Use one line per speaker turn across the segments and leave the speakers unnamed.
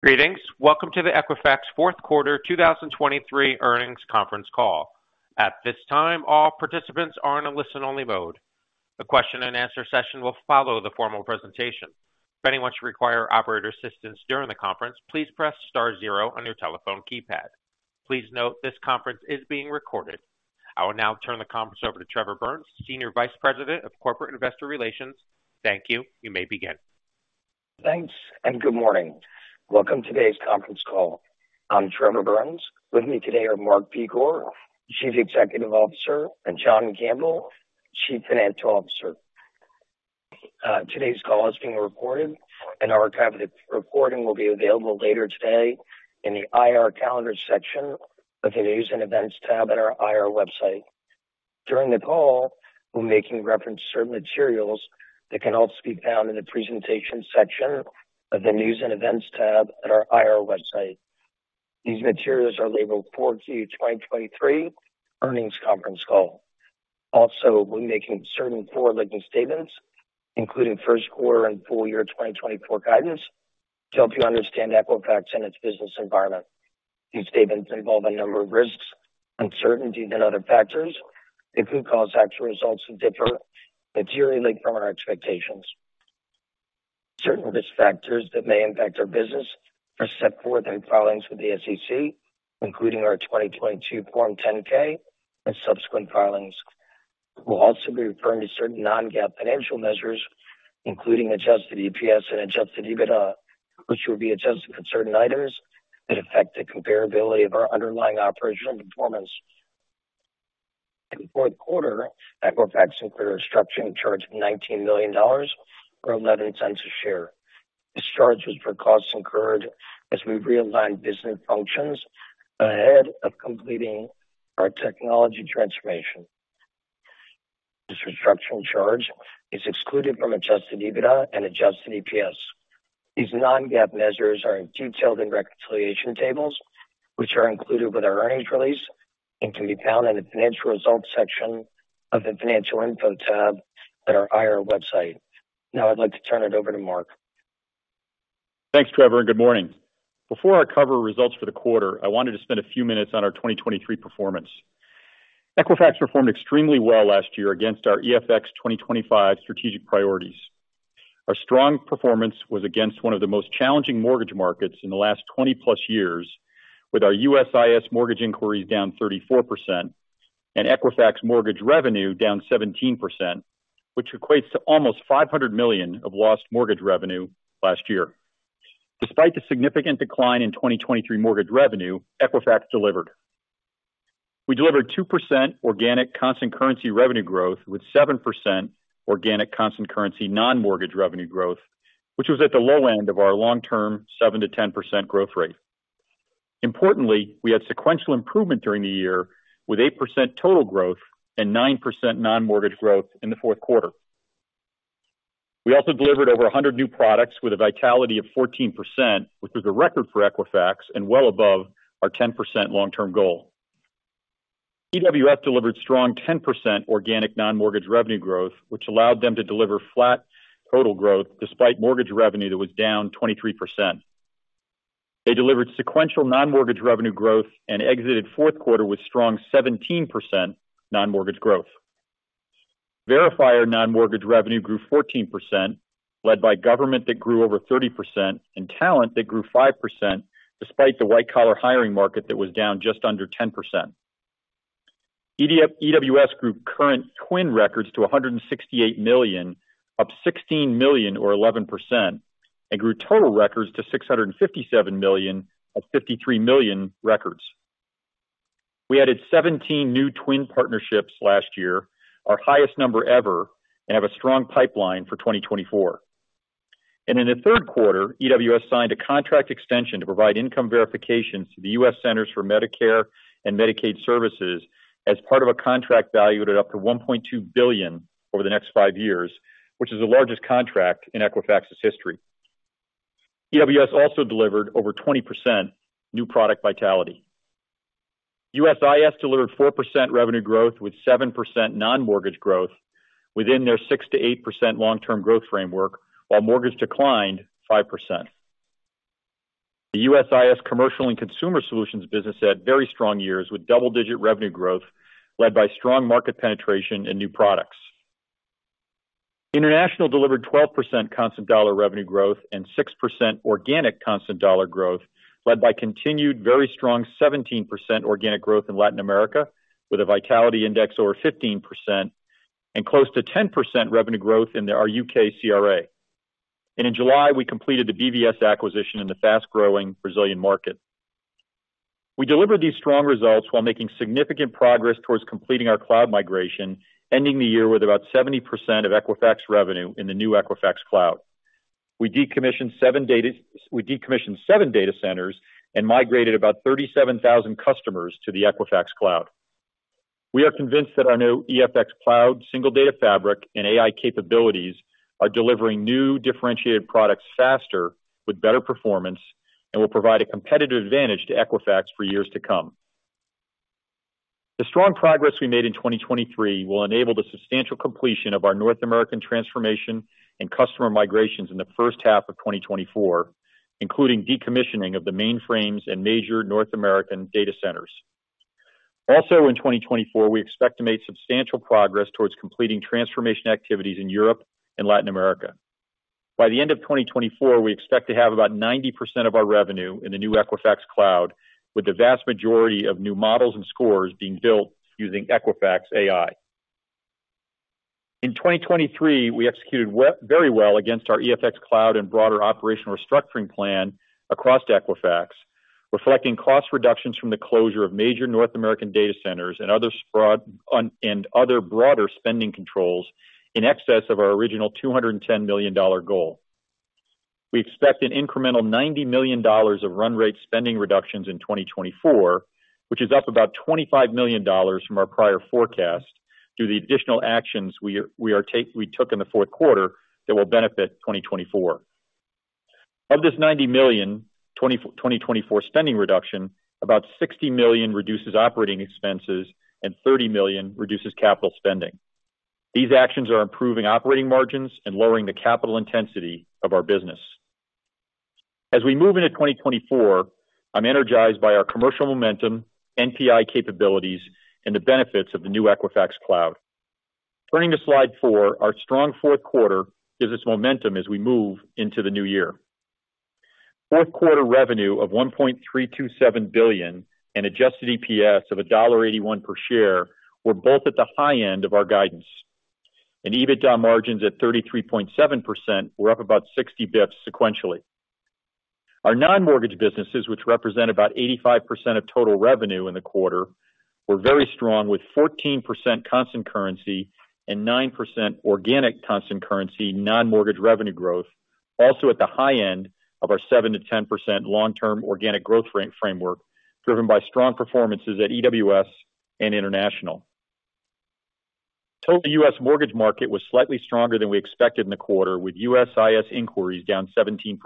Greetings! Welcome to the Equifax Fourth Quarter 2023 Earnings Conference Call. At this time, all participants are in a listen-only mode. A question-and-answer session will follow the formal presentation. If anyone should require operator assistance during the conference, please press star zero on your telephone keypad. Please note, this conference is being recorded. I will now turn the conference over to Trevor Burns, Senior Vice President of Corporate Investor Relations. Thank you. You may begin.
Thanks, and good morning. Welcome to today's conference call. I'm Trevor Burns. With me today are Mark Begor, Chief Executive Officer, and John Gamble, Chief Financial Officer. Today's call is being recorded, and our copy of the recording will be available later today in the IR Calendar section of the News and Events tab at our IR website. During the call, we'll be making reference to certain materials that can also be found in the Presentation section of the News and Events tab at our IR website. These materials are labeled 4Q 2023 Earnings Conference Call. Also, we'll be making certain forward-looking statements, including first quarter and full year 2024 guidance, to help you understand Equifax and its business environment. These statements involve a number of risks, uncertainties, and other factors that could cause actual results to differ materially from our expectations. Certain risk factors that may impact our business are set forth in filings with the SEC, including our 2022 Form 10-K and subsequent filings. We'll also be referring to certain non-GAAP financial measures, including adjusted EPS and adjusted EBITDA, which will be adjusted for certain items that affect the comparability of our underlying operational performance. In the fourth quarter, Equifax included a restructuring charge of $19 million, or $0.11 a share. This charge was for costs incurred as we've realigned business functions ahead of completing our technology transformation. This restructuring charge is excluded from adjusted EBITDA and adjusted EPS. These non-GAAP measures are detailed in reconciliation tables, which are included with our earnings release and can be found in the Financial Results section of the Financial Info tab at our IR website. Now, I'd like to turn it over to Mark.
Thanks, Trevor, and good morning. Before I cover results for the quarter, I wanted to spend a few minutes on our 2023 performance. Equifax performed extremely well last year against our EFX 2025 strategic priorities. Our strong performance was against one of the most challenging mortgage markets in the last 20+ years, with our USIS mortgage inquiries down 34% and Equifax mortgage revenue down 17%, which equates to almost $500 million of lost mortgage revenue last year. Despite the significant decline in 2023 mortgage revenue, Equifax delivered. We delivered 2% organic constant currency revenue growth, with 7% organic constant currency non-mortgage revenue growth, which was at the low end of our long-term 7%-10% growth rate. Importantly, we had sequential improvement during the year, with 8% total growth and 9% non-mortgage growth in the fourth quarter. We also delivered over 100 new products with a vitality of 14%, which is a record for Equifax and well above our 10% long-term goal. EWS delivered strong 10% organic non-mortgage revenue growth, which allowed them to deliver flat total growth despite mortgage revenue that was down 23%. They delivered sequential non-mortgage revenue growth and exited fourth quarter with strong 17% non-mortgage growth. Verifier non-mortgage revenue grew 14%, led by government that grew over 30% and talent that grew 5%, despite the white-collar hiring market that was down just under 10%. EWS grew current TWN records to 168 million, up 16 million or 11%, and grew total records to 657 million, up 53 million records. We added 17 new TWN partnerships last year, our highest number ever, and have a strong pipeline for 2024. In the third quarter, EWS signed a contract extension to provide income verification to the U.S. Centers for Medicare and Medicaid Services as part of a contract valued at up to $1.2 billion over the next five years, which is the largest contract in Equifax's history. EWS also delivered over 20% new product vitality. USIS delivered 4% revenue growth with 7% non-mortgage growth within their 6%-8% long-term growth framework, while mortgage declined 5%. The USIS Commercial and Consumer Solutions business had very strong years, with double-digit revenue growth led by strong market penetration and new products. International delivered 12% constant dollar revenue growth and 6% organic constant dollar growth, led by continued very strong 17% organic growth in Latin America, with a Vitality Index over 15% and close to 10% revenue growth in our U.K. CRA. In July, we completed the BVS acquisition in the fast-growing Brazilian market. We delivered these strong results while making significant progress towards completing our cloud migration, ending the year with about 70% of Equifax revenue in the new Equifax Cloud. We decommissioned 7 data centers and migrated about 37,000 customers to the Equifax Cloud. We are convinced that our new Equifax Cloud, Single Data Fabric, and AI capabilities are delivering new differentiated products faster with better performance and will provide a competitive advantage to Equifax for years to come. The strong progress we made in 2023 will enable the substantial completion of our North American transformation and customer migrations in the first half of 2024, including decommissioning of the mainframes and major North American data centers. Also, in 2024, we expect to make substantial progress towards completing transformation activities in Europe and Latin America. By the end of 2024, we expect to have about 90% of our revenue in the new Equifax Cloud, with the vast majority of new models and scores being built using Equifax AI. In 2023, we executed very well against our Equifax Cloud and broader operational restructuring plan across Equifax, reflecting cost reductions from the closure of major North American data centers and other broad, and other broader spending controls in excess of our original $210 million goal. We expect an incremental $90 million of run rate spending reductions in 2024, which is up about $25 million from our prior forecast, due to the additional actions we took in the fourth quarter that will benefit 2024. Of this $90 million 2024 spending reduction, about $60 million reduces operating expenses and $30 million reduces capital spending. These actions are improving operating margins and lowering the capital intensity of our business. As we move into 2024, I'm energized by our commercial momentum, NPI capabilities, and the benefits of the new Equifax Cloud. Turning to slide 4, our strong fourth quarter gives us momentum as we move into the new year. Fourth quarter revenue of $1.327 billion and adjusted EPS of $1.81 per share were both at the high end of our guidance. EBITDA margins at 33.7% were up about 60 basis points sequentially. Our non-mortgage businesses, which represent about 85% of total revenue in the quarter, were very strong, with 14% constant currency and 9% organic constant currency non-mortgage revenue growth, also at the high end of our 7%-10% long-term organic growth framework, driven by strong performances at EWS and International. The U.S. mortgage market was slightly stronger than we expected in the quarter, with USIS inquiries down 17%.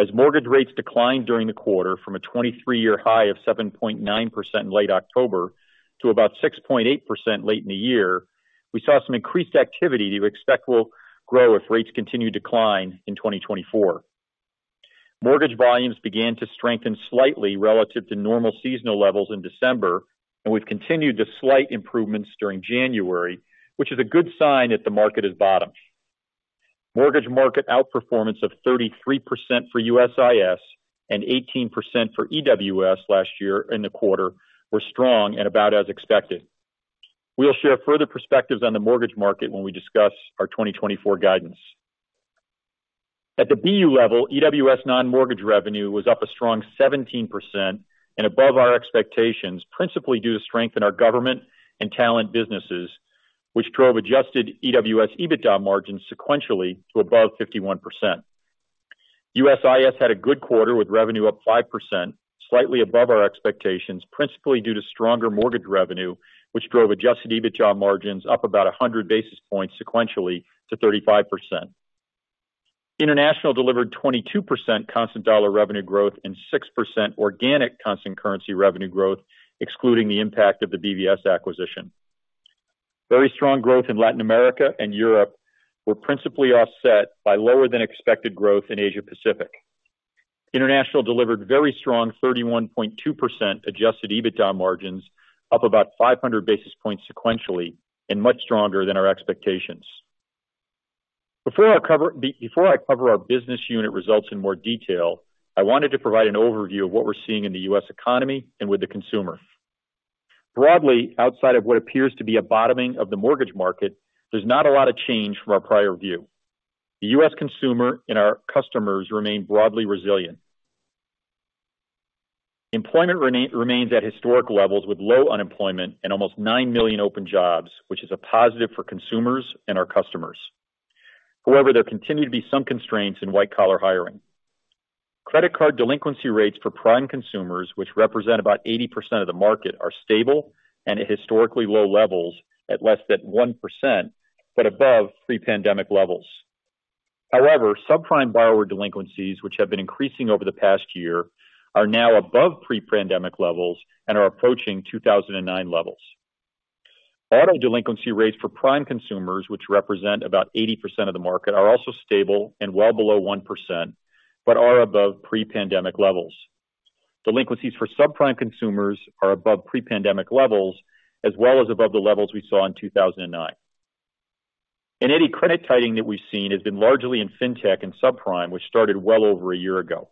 As mortgage rates declined during the quarter from a 23-year high of 7.9% in late October to about 6.8% late in the year, we saw some increased activity that we expect will grow if rates continue to decline in 2024. Mortgage volumes began to strengthen slightly relative to normal seasonal levels in December, and we've continued the slight improvements during January, which is a good sign that the market has bottomed. Mortgage market outperformance of 33% for USIS and 18% for EWS last year in the quarter were strong and about as expected. We'll share further perspectives on the mortgage market when we discuss our 2024 guidance. At the BU level, EWS non-mortgage revenue was up a strong 17% and above our expectations, principally due to strength in our government and talent businesses, which drove adjusted EWS EBITDA margins sequentially to above 51%. USIS had a good quarter, with revenue up 5%, slightly above our expectations, principally due to stronger mortgage revenue, which drove adjusted EBITDA margins up about 100 basis points sequentially to 35%. International delivered 22% constant dollar revenue growth and 6% organic constant currency revenue growth, excluding the impact of the BVS acquisition. Very strong growth in Latin America and Europe were principally offset by lower than expected growth in Asia Pacific. International delivered very strong 31.2% adjusted EBITDA margins, up about 500 basis points sequentially and much stronger than our expectations. Before I cover our business unit results in more detail, I wanted to provide an overview of what we're seeing in the U.S. economy and with the consumer. Broadly, outside of what appears to be a bottoming of the mortgage market, there's not a lot of change from our prior view. The U.S. consumer and our customers remain broadly resilient. Employment remains at historic levels, with low unemployment and almost 9 million open jobs, which is a positive for consumers and our customers. However, there continue to be some constraints in white-collar hiring. Credit card delinquency rates for prime consumers, which represent about 80% of the market, are stable and at historically low levels at less than 1%, but above pre-pandemic levels. However, subprime borrower delinquencies, which have been increasing over the past year, are now above pre-pandemic levels and are approaching 2009 levels. Auto delinquency rates for prime consumers, which represent about 80% of the market, are also stable and well below 1%, but are above pre-pandemic levels. Delinquencies for subprime consumers are above pre-pandemic levels, as well as above the levels we saw in 2009. Any credit tightening that we've seen has been largely in fintech and subprime, which started well over a year ago.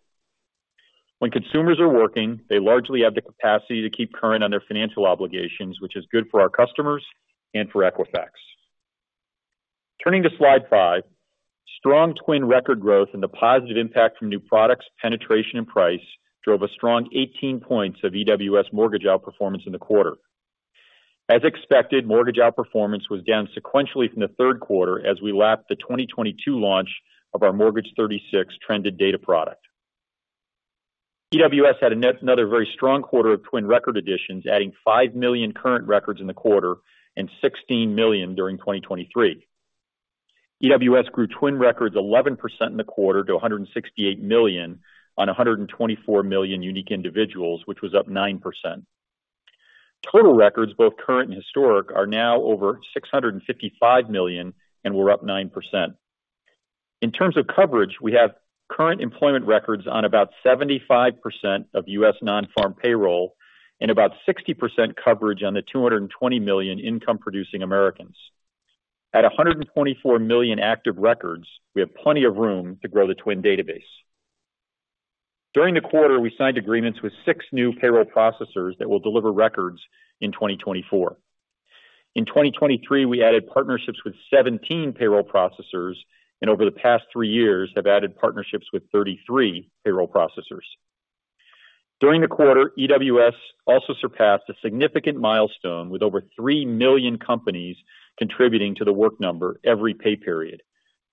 When consumers are working, they largely have the capacity to keep current on their financial obligations, which is good for our customers and for Equifax. Turning to slide 5. Strong TWN record growth and the positive impact from new products, penetration and price drove a strong 18 points of EWS mortgage outperformance in the quarter. As expected, mortgage outperformance was down sequentially from the third quarter as we lapped the 2022 launch of our Mortgage 36 trended data product. EWS had another very strong quarter of TWN record additions, adding 5 million current records in the quarter and 16 million during 2023. EWS grew TWN records 11% in the quarter to 168 million on 124 million unique individuals, which was up 9%. Total records, both current and historic, are now over 655 million and were up 9%. In terms of coverage, we have current employment records on about 75% of U.S. non-farm payroll and about 60% coverage on the 220 million income producing Americans. At 124 million active records, we have plenty of room to grow the TWN database. During the quarter, we signed agreements with 6 new payroll processors that will deliver records in 2024. In 2023, we added partnerships with 17 payroll processors, and over the past 3 years have added partnerships with 33 payroll processors. During the quarter, EWS also surpassed a significant milestone, with over 3 million companies contributing to The Work Number every pay period.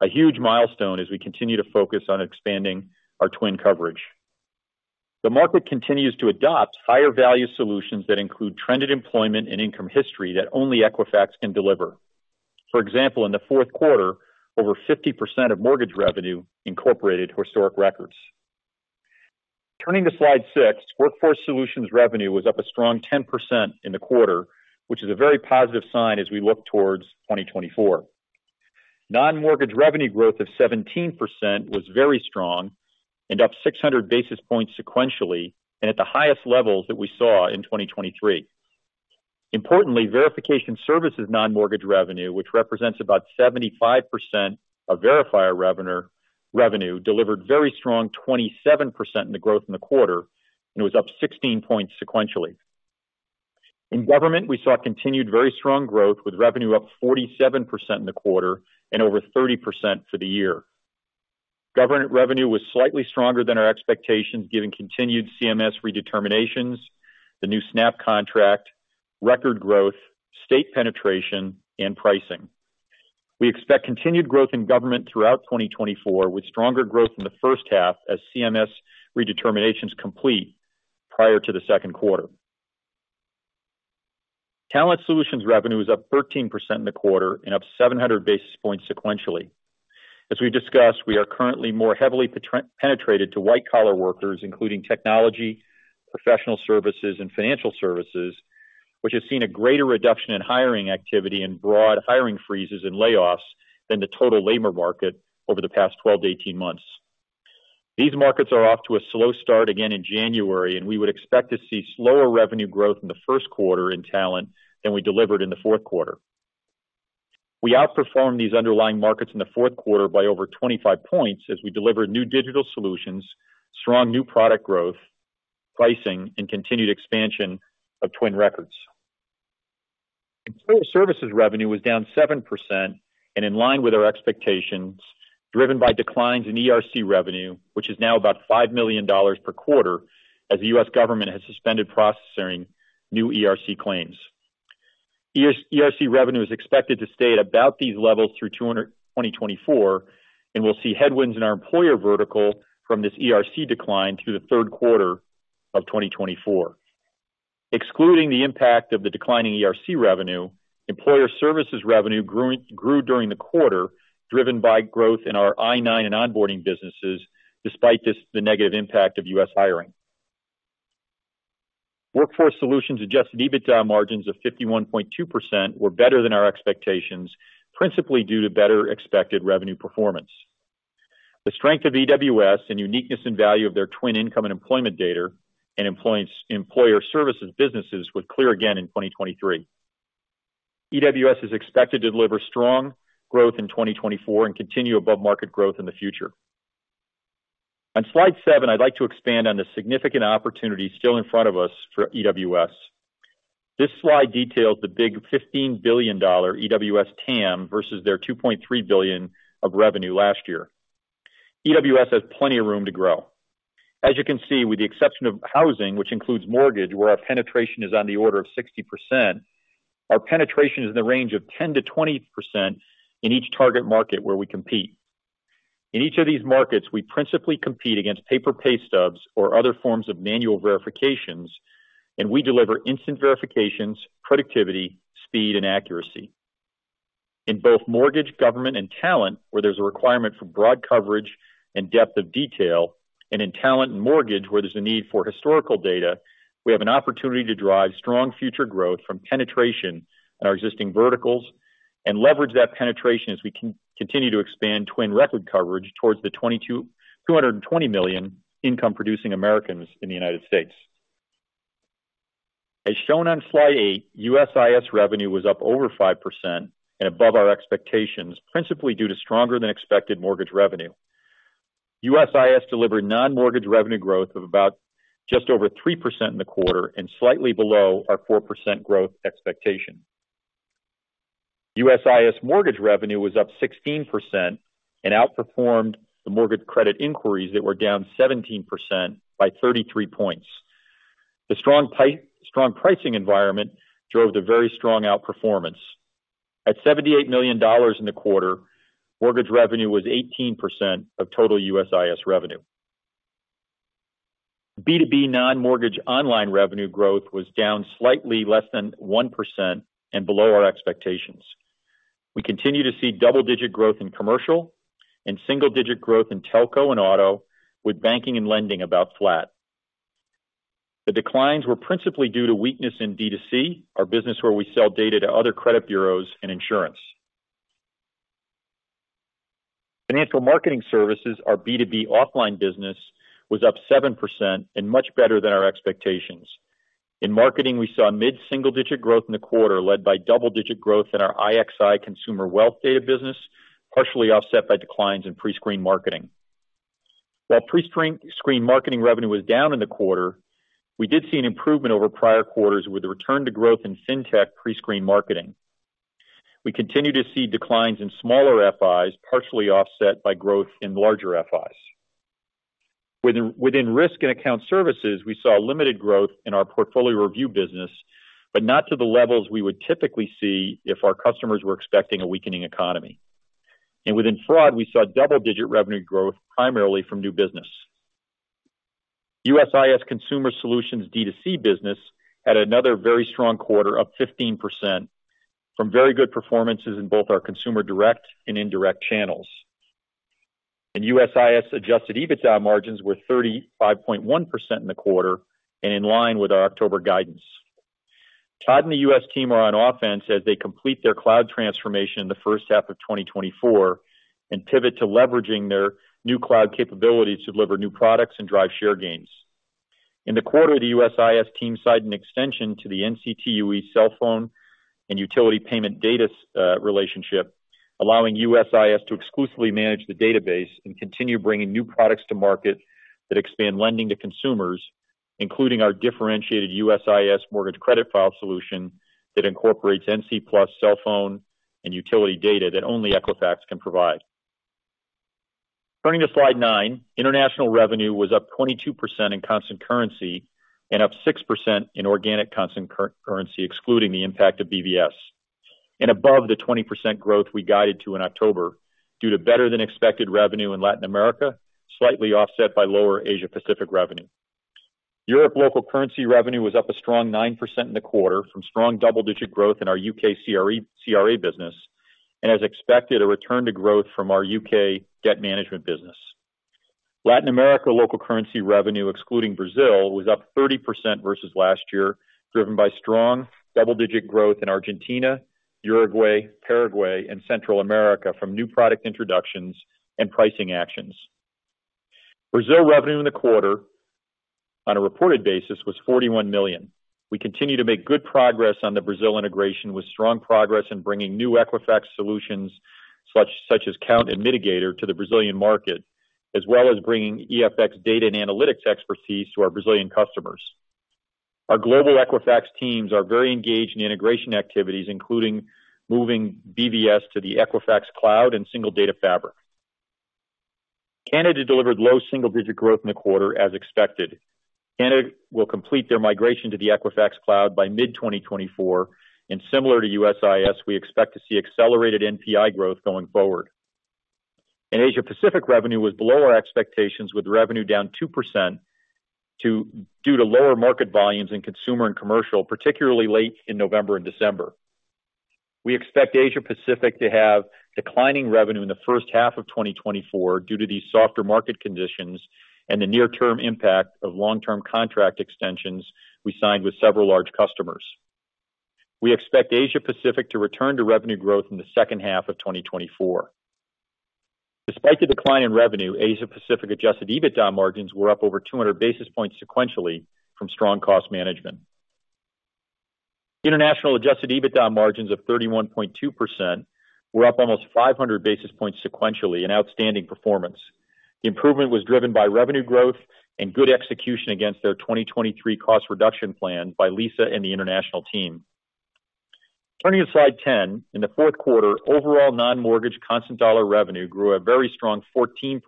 A huge milestone as we continue to focus on expanding our TWN coverage. The market continues to adopt higher value solutions that include trended employment and income history that only Equifax can deliver. For example, in the fourth quarter, over 50% of mortgage revenue incorporated historic records. Turning to slide 6, Workforce Solutions revenue was up a strong 10% in the quarter, which is a very positive sign as we look towards 2024. Non-mortgage revenue growth of 17% was very strong and up 600 basis points sequentially and at the highest levels that we saw in 2023. Importantly, verification services non-mortgage revenue, which represents about 75% of verifier revenue, delivered very strong 27% in the growth in the quarter and was up 16 points sequentially. In government, we saw continued very strong growth, with revenue up 47% in the quarter and over 30% for the year. Government revenue was slightly stronger than our expectations, given continued CMS redeterminations, the new SNAP contract, record growth, state penetration, and pricing. We expect continued growth in government throughout 2024, with stronger growth in the first half as CMS redeterminations complete prior to the second quarter. Talent Solutions revenue is up 13% in the quarter and up 700 basis points sequentially. As we discussed, we are currently more heavily penetrated to white-collar workers, including technology, professional services, and financial services, which has seen a greater reduction in hiring activity and broad hiring freezes and layoffs than the total labor market over the past 12-18 months. These markets are off to a slow start again in January, and we would expect to see slower revenue growth in the first quarter in talent than we delivered in the fourth quarter. We outperformed these underlying markets in the fourth quarter by over 25 points as we delivered new digital solutions, strong new product growth, pricing, and continued expansion of TWN records. Employer Services revenue was down 7% and in line with our expectations, driven by declines in ERC revenue, which is now about $5 million per quarter as the U.S. government has suspended processing new ERC claims. EWS ERC revenue is expected to stay at about these levels through 2024, and we'll see headwinds in our employer vertical from this ERC decline through the third quarter of 2024. Excluding the impact of the declining ERC revenue, Employer Services revenue grew during the quarter, driven by growth in our I-9 and onboarding businesses, despite the negative impact of U.S. hiring. Workforce Solutions adjusted EBITDA margins of 51.2% were better than our expectations, principally due to better expected revenue performance. The strength of EWS and uniqueness and value of their TWN income and employment data and Employer Services businesses was clear again in 2023. EWS is expected to deliver strong growth in 2024 and continue above market growth in the future. On slide seven, I'd like to expand on the significant opportunities still in front of us for EWS. This slide details the big $15 billion EWS TAM versus their $2.3 billion of revenue last year. EWS has plenty of room to grow. As you can see, with the exception of housing, which includes mortgage, where our penetration is on the order of 60%, our penetration is in the range of 10%-20% in each target market where we compete. In each of these markets, we principally compete against paper pay stubs or other forms of manual verifications, and we deliver instant verifications, productivity, speed, and accuracy. In both mortgage, government, and talent, where there's a requirement for broad coverage and depth of detail, and in talent and mortgage, where there's a need for historical data, we have an opportunity to drive strong future growth from penetration in our existing verticals and leverage that penetration as we continue to expand TWN record coverage towards the 220 million income producing Americans in the United States. As shown on slide 8, USIS revenue was up over 5% and above our expectations, principally due to stronger than expected mortgage revenue. USIS delivered non-mortgage revenue growth of about just over 3% in the quarter and slightly below our 4% growth expectation. USIS mortgage revenue was up 16% and outperformed the mortgage credit inquiries that were down 17% by 33 points. The strong strong pricing environment drove the very strong outperformance. At $78 million in the quarter, mortgage revenue was 18% of total USIS revenue. B2B non-mortgage online revenue growth was down slightly less than 1% and below our expectations. We continue to see double-digit growth in commercial and single-digit growth in telco and auto, with banking and lending about flat. The declines were principally due to weakness in D2C, our business where we sell data to other credit bureaus and insurance. Financial Marketing Services, our B2B offline business, was up 7% and much better than our expectations. In marketing, we saw mid-single-digit growth in the quarter, led by double-digit growth in our IXI consumer wealth data business, partially offset by declines in pre-screened marketing. While pre-screen marketing revenue was down in the quarter, we did see an improvement over prior quarters with a return to growth in Fintech pre-screened marketing. We continue to see declines in smaller FIs, partially offset by growth in larger FIs. Within risk and account services, we saw limited growth in our portfolio review business, but not to the levels we would typically see if our customers were expecting a weakening economy. And within fraud, we saw double-digit revenue growth, primarily from new business. USIS Consumer Solutions D2C business had another very strong quarter, up 15%, from very good performances in both our consumer direct and indirect channels. And USIS adjusted EBITDA margins were 35.1% in the quarter and in line with our October guidance. Todd and the U.S. team are on offense as they complete their cloud transformation in the first half of 2024 and pivot to leveraging their new cloud capabilities to deliver new products and drive share gains. In the quarter, the USIS team signed an extension to the NCTUE cell phone and utility payment data relationship, allowing USIS to exclusively manage the database and continue bringing new products to market that expand lending to consumers, including our differentiated USIS mortgage credit file solution that incorporates NC+ cell phone and utility data that only Equifax can provide. Turning to slide 9, international revenue was up 22% in constant currency and up 6% in organic constant currency, excluding the impact of BVS, and above the 20% growth we guided to in October, due to better than expected revenue in Latin America, slightly offset by lower Asia Pacific revenue. Europe local currency revenue was up a strong 9% in the quarter from strong double-digit growth in our U.K. CRA business and as expected, a return to growth from our U.K. debt management business. Latin America local currency revenue, excluding Brazil, was up 30% versus last year, driven by strong double-digit growth in Argentina, Uruguay, Paraguay, and Central America from new product introductions and pricing actions. Brazil revenue in the quarter on a reported basis was $41 million. We continue to make good progress on the Brazil integration, with strong progress in bringing new Equifax solutions, such as Kount and Midigator to the Brazilian market, as well as bringing EFX data and analytics expertise to our Brazilian customers. Our global Equifax teams are very engaged in integration activities, including moving BVS to the Equifax Cloud and Single Data Fabric. Canada delivered low single-digit growth in the quarter as expected. Canada will complete their migration to the Equifax Cloud by mid-2024, and similar to USIS, we expect to see accelerated NPI growth going forward. In Asia Pacific, revenue was below our expectations, with revenue down 2% due to lower market volumes in consumer and commercial, particularly late in November and December. We expect Asia Pacific to have declining revenue in the first half of 2024 due to these softer market conditions and the near-term impact of long-term contract extensions we signed with several large customers. We expect Asia Pacific to return to revenue growth in the second half of 2024. Despite the decline in revenue, Asia Pacific adjusted EBITDA margins were up over 200 basis points sequentially from strong cost management. International adjusted EBITDA margins of 31.2% were up almost 500 basis points sequentially, an outstanding performance. The improvement was driven by revenue growth and good execution against their 2023 cost reduction plan by Lisa and the international team. Turning to slide 10, in the fourth quarter, overall non-mortgage constant dollar revenue grew a very strong 14%,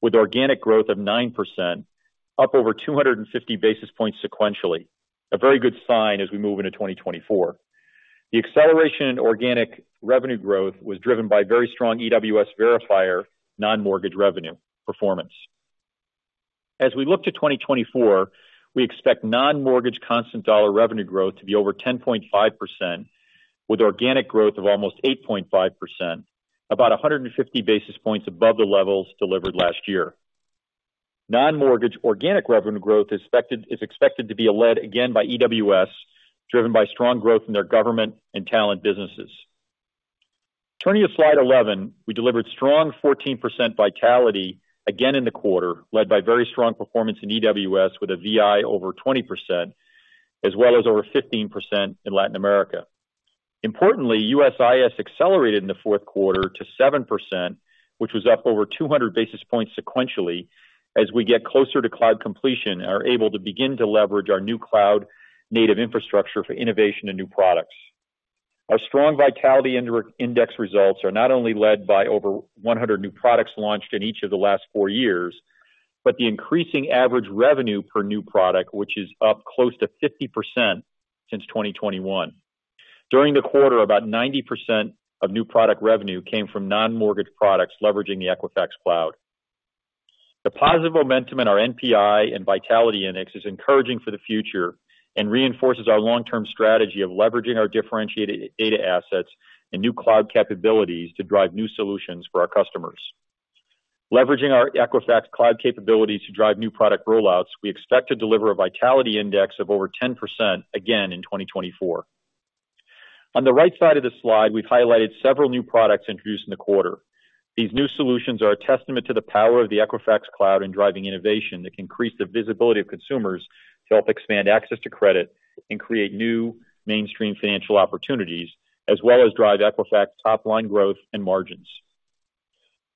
with organic growth of 9%, up over 250 basis points sequentially. A very good sign as we move into 2024. The acceleration in organic revenue growth was driven by very strong EWS verifier non-mortgage revenue performance. As we look to 2024, we expect non-mortgage constant dollar revenue growth to be over 10.5%, with organic growth of almost 8.5%, about 150 basis points above the levels delivered last year. Non-mortgage organic revenue growth is expected, is expected to be led again by EWS, driven by strong growth in their government and talent businesses. Turning to slide 11, we delivered strong 14% vitality again in the quarter, led by very strong performance in EWS with a VI over 20%, as well as over 15% in Latin America. Importantly, USIS accelerated in the fourth quarter to 7%, which was up over 200 basis points sequentially, as we get closer to cloud completion and are able to begin to leverage our new cloud-native infrastructure for innovation and new products. Our strong Vitality Index results are not only led by over 100 new products launched in each of the last four years, but the increasing average revenue per new product, which is up close to 50% since 2021. During the quarter, about 90% of new product revenue came from non-mortgage products leveraging the Equifax Cloud. The positive momentum in our NPI and Vitality Index is encouraging for the future and reinforces our long-term strategy of leveraging our differentiated data assets and new cloud capabilities to drive new solutions for our customers. Leveraging our Equifax Cloud capabilities to drive new product rollouts, we expect to deliver a Vitality Index of over 10% again in 2024. On the right side of this slide, we've highlighted several new products introduced in the quarter. These new solutions are a testament to the power of the Equifax Cloud in driving innovation that can increase the visibility of consumers to help expand access to credit and create new mainstream financial opportunities, as well as drive Equifax top line growth and margins.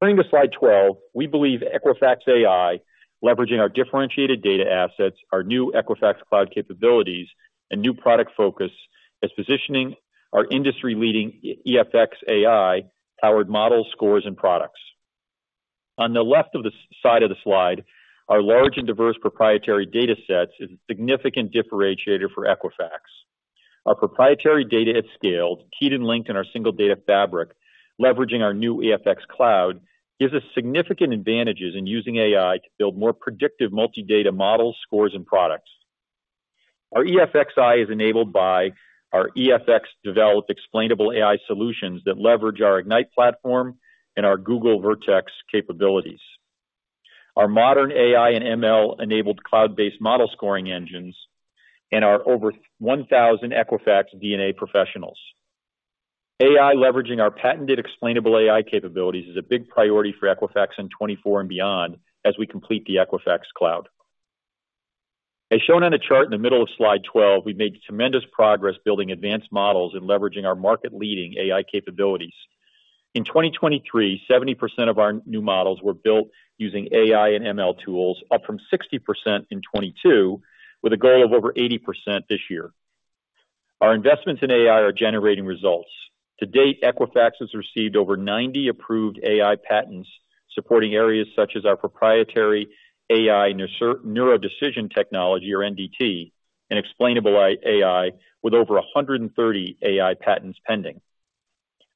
Turning to slide 12, we believe Equifax AI, leveraging our differentiated data assets, our new Equifax Cloud capabilities, and new product focus, is positioning our industry-leading EFX AI powered model scores and products. On the left of the side of the slide, our large and diverse proprietary data sets is a significant differentiator for Equifax. Our proprietary data at scale, keyed and linked in our Single Data Fabric, leveraging our new Equifax Cloud, gives us significant advantages in using AI to build more predictive multi-data models, scores, and products. Our EFX AI is enabled by our EFX-developed explainable AI solutions that leverage our Ignite platform and our Google Vertex capabilities. Our modern AI and ML-enabled cloud-based model scoring engines and our over 1,000 Equifax D&A professionals. AI leveraging our patented explainable AI capabilities is a big priority for Equifax in 2024 and beyond as we complete the Equifax Cloud. As shown on the chart in the middle of slide 12, we've made tremendous progress building advanced models and leveraging our market-leading AI capabilities. In 2023, 70% of our new models were built using AI and ML tools, up from 60% in 2022, with a goal of over 80% this year. Our investments in AI are generating results. To date, Equifax has received over 90 approved AI patents, supporting areas such as our proprietary AI NeuroDecision Technology, or NDT, and explainable AI, with over 130 AI patents pending.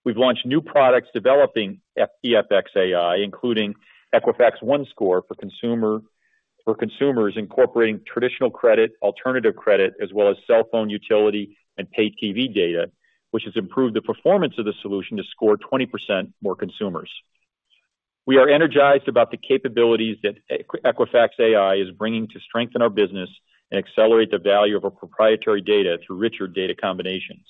We've launched new products developing EFX AI, including Equifax OneScore for consumers, incorporating traditional credit, alternative credit, as well as cell phone, utility, and paid TV data, which has improved the performance of the solution to score 20% more consumers. We are energized about the capabilities that Equifax AI is bringing to strengthen our business and accelerate the value of our proprietary data through richer data combinations.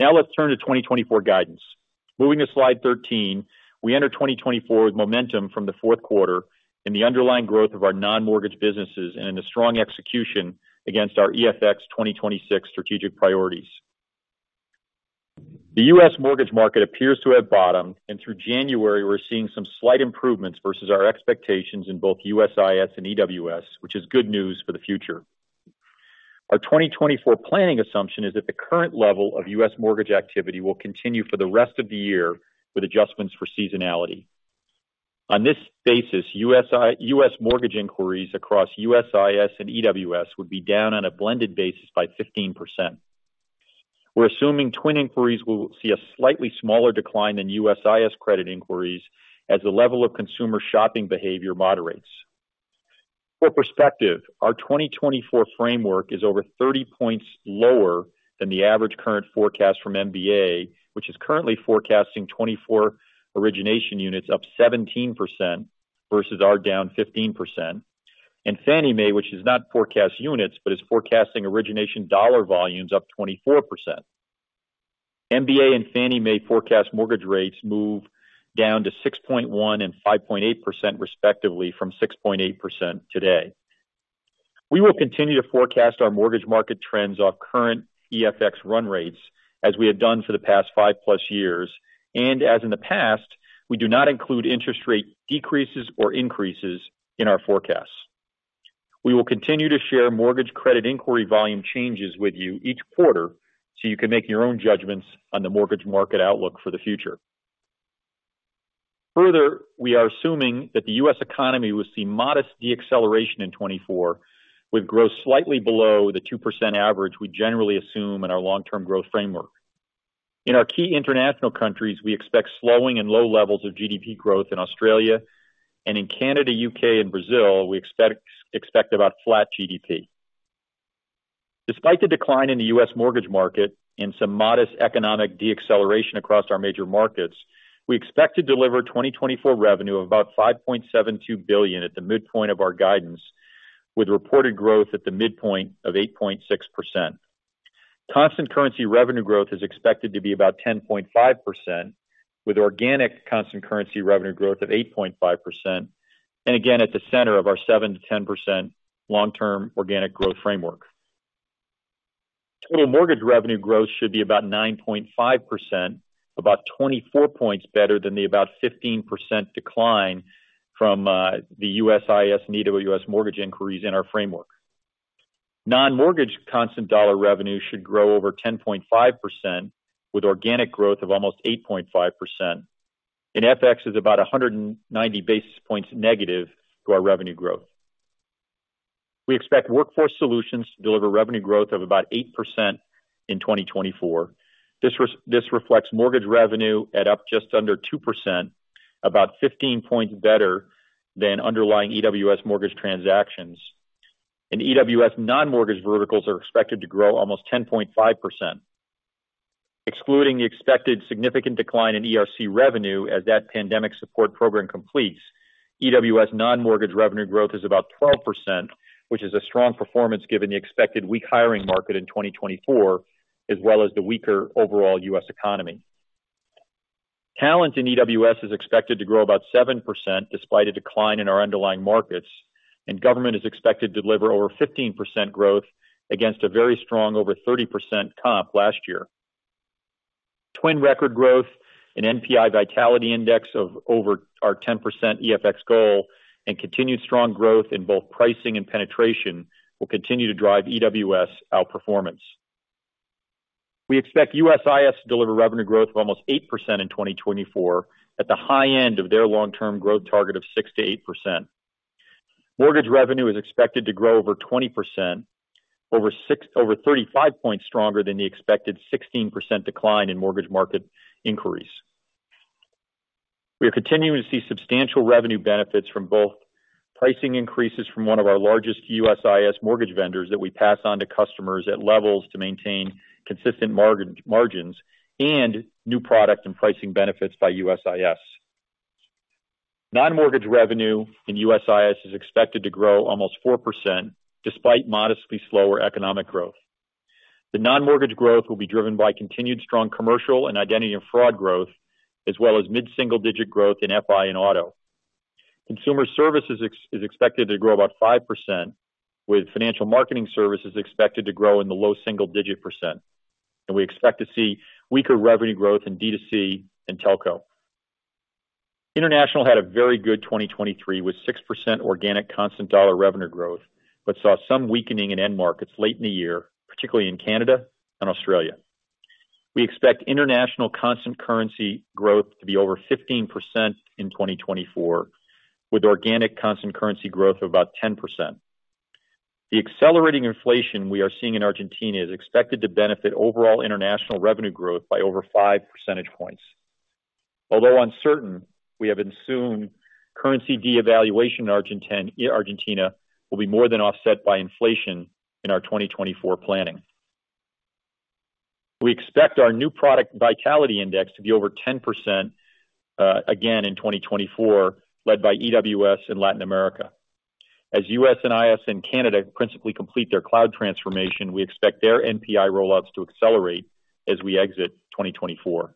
Now let's turn to 2024 guidance. Moving to slide 13, we enter 2024 with momentum from the fourth quarter and the underlying growth of our non-mortgage businesses and in a strong execution against our EFX 2026 strategic priorities. The U.S. mortgage market appears to have bottomed, and through January, we're seeing some slight improvements versus our expectations in both USIS and EWS, which is good news for the future. Our 2024 planning assumption is that the current level of U.S. mortgage activity will continue for the rest of the year, with adjustments for seasonality. On this basis, U.S. mortgage inquiries across USIS and EWS would be down on a blended basis by 15%. We're assuming TWN inquiries will see a slightly smaller decline than USIS credit inquiries as the level of consumer shopping behavior moderates. For perspective, our 2024 framework is over 30 points lower than the average current forecast from MBA, which is currently forecasting 24 origination units up 17% versus our down 15%. Fannie Mae, which does not forecast units, but is forecasting origination dollar volumes up 24%. MBA and Fannie Mae forecast mortgage rates move down to 6.1% and 5.8% respectively, from 6.8% today. We will continue to forecast our mortgage market trends off current EFX run rates, as we have done for the past 5+ years. As in the past, we do not include interest rate decreases or increases in our forecasts. We will continue to share mortgage credit inquiry volume changes with you each quarter, so you can make your own judgments on the mortgage market outlook for the future. Further, we are assuming that the U.S. economy will see modest deceleration in 2024, with growth slightly below the 2% average we generally assume in our long-term growth framework. In our key international countries, we expect slowing and low levels of GDP growth in Australia, and in Canada, U.K., and Brazil, we expect about flat GDP. Despite the decline in the U.S. mortgage market and some modest economic deceleration across our major markets, we expect to deliver 2024 revenue of about $5.72 billion at the midpoint of our guidance, with reported growth at the midpoint of 8.6%. Constant currency revenue growth is expected to be about 10.5%, with organic constant currency revenue growth of 8.5%, and again, at the center of our 7%-10% long-term organic growth framework. Total mortgage revenue growth should be about 9.5%, about 24 points better than the about 15% decline from the USIS and EWS mortgage inquiries in our framework. Non-mortgage constant dollar revenue should grow over 10.5%, with organic growth of almost 8.5%, and FX is about 190 basis points negative to our revenue growth. We expect Workforce Solutions to deliver revenue growth of about 8% in 2024. This reflects mortgage revenue at up just under 2%, about 15 points better than underlying EWS mortgage transactions. EWS non-mortgage verticals are expected to grow almost 10.5%. Excluding the expected significant decline in ERC revenue as that pandemic support program completes, EWS non-mortgage revenue growth is about 12%, which is a strong performance given the expected weak hiring market in 2024, as well as the weaker overall U.S. economy. Talent in EWS is expected to grow about 7% despite a decline in our underlying markets, and government is expected to deliver over 15% growth against a very strong over 30% comp last year. TWN record growth and NPI Vitality Index of over our 10% EFX goal and continued strong growth in both pricing and penetration will continue to drive EWS outperformance. We expect USIS to deliver revenue growth of almost 8% in 2024, at the high end of their long-term growth target of 6%-8%. Mortgage revenue is expected to grow over 20%, over 35 points stronger than the expected 16% decline in mortgage market inquiries. We are continuing to see substantial revenue benefits from both pricing increases from one of our largest USIS mortgage vendors that we pass on to customers at levels to maintain consistent margins and new product and pricing benefits by USIS. Non-mortgage revenue in USIS is expected to grow almost 4%, despite modestly slower economic growth. The non-mortgage growth will be driven by continued strong commercial and identity and fraud growth, as well as mid-single-digit growth in FI and auto. Consumer services is expected to grow about 5%, with Financial Marketing Services expected to grow in the low single-digit %. We expect to see weaker revenue growth in D2C and telco. International had a very good 2023, with 6% organic constant dollar revenue growth, but saw some weakening in end markets late in the year, particularly in Canada and Australia. We expect international constant currency growth to be over 15% in 2024, with organic constant currency growth of about 10%. The accelerating inflation we are seeing in Argentina is expected to benefit overall international revenue growth by over 5 percentage points. Although uncertain, we have assumed currency devaluation in Argentina will be more than offset by inflation in our 2024 planning. We expect our new product Vitality Index to be over 10%, again in 2024, led by EWS in Latin America. As USIS and Canada principally complete their cloud transformation, we expect their NPI rollouts to accelerate as we exit 2024.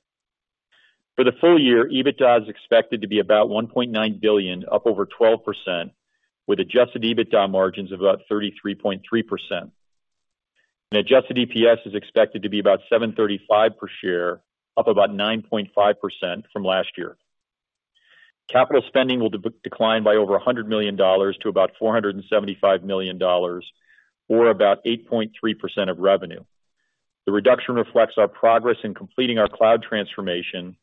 For the full year, EBITDA is expected to be about $1.9 billion, up over 12%, with adjusted EBITDA margins of about 33.3%. Adjusted EPS is expected to be about $7.35 per share, up about 9.5% from last year. Capital spending will decline by over $100 million to about $475 million or about 8.3% of revenue. The reduction reflects our progress in completing our cloud transformation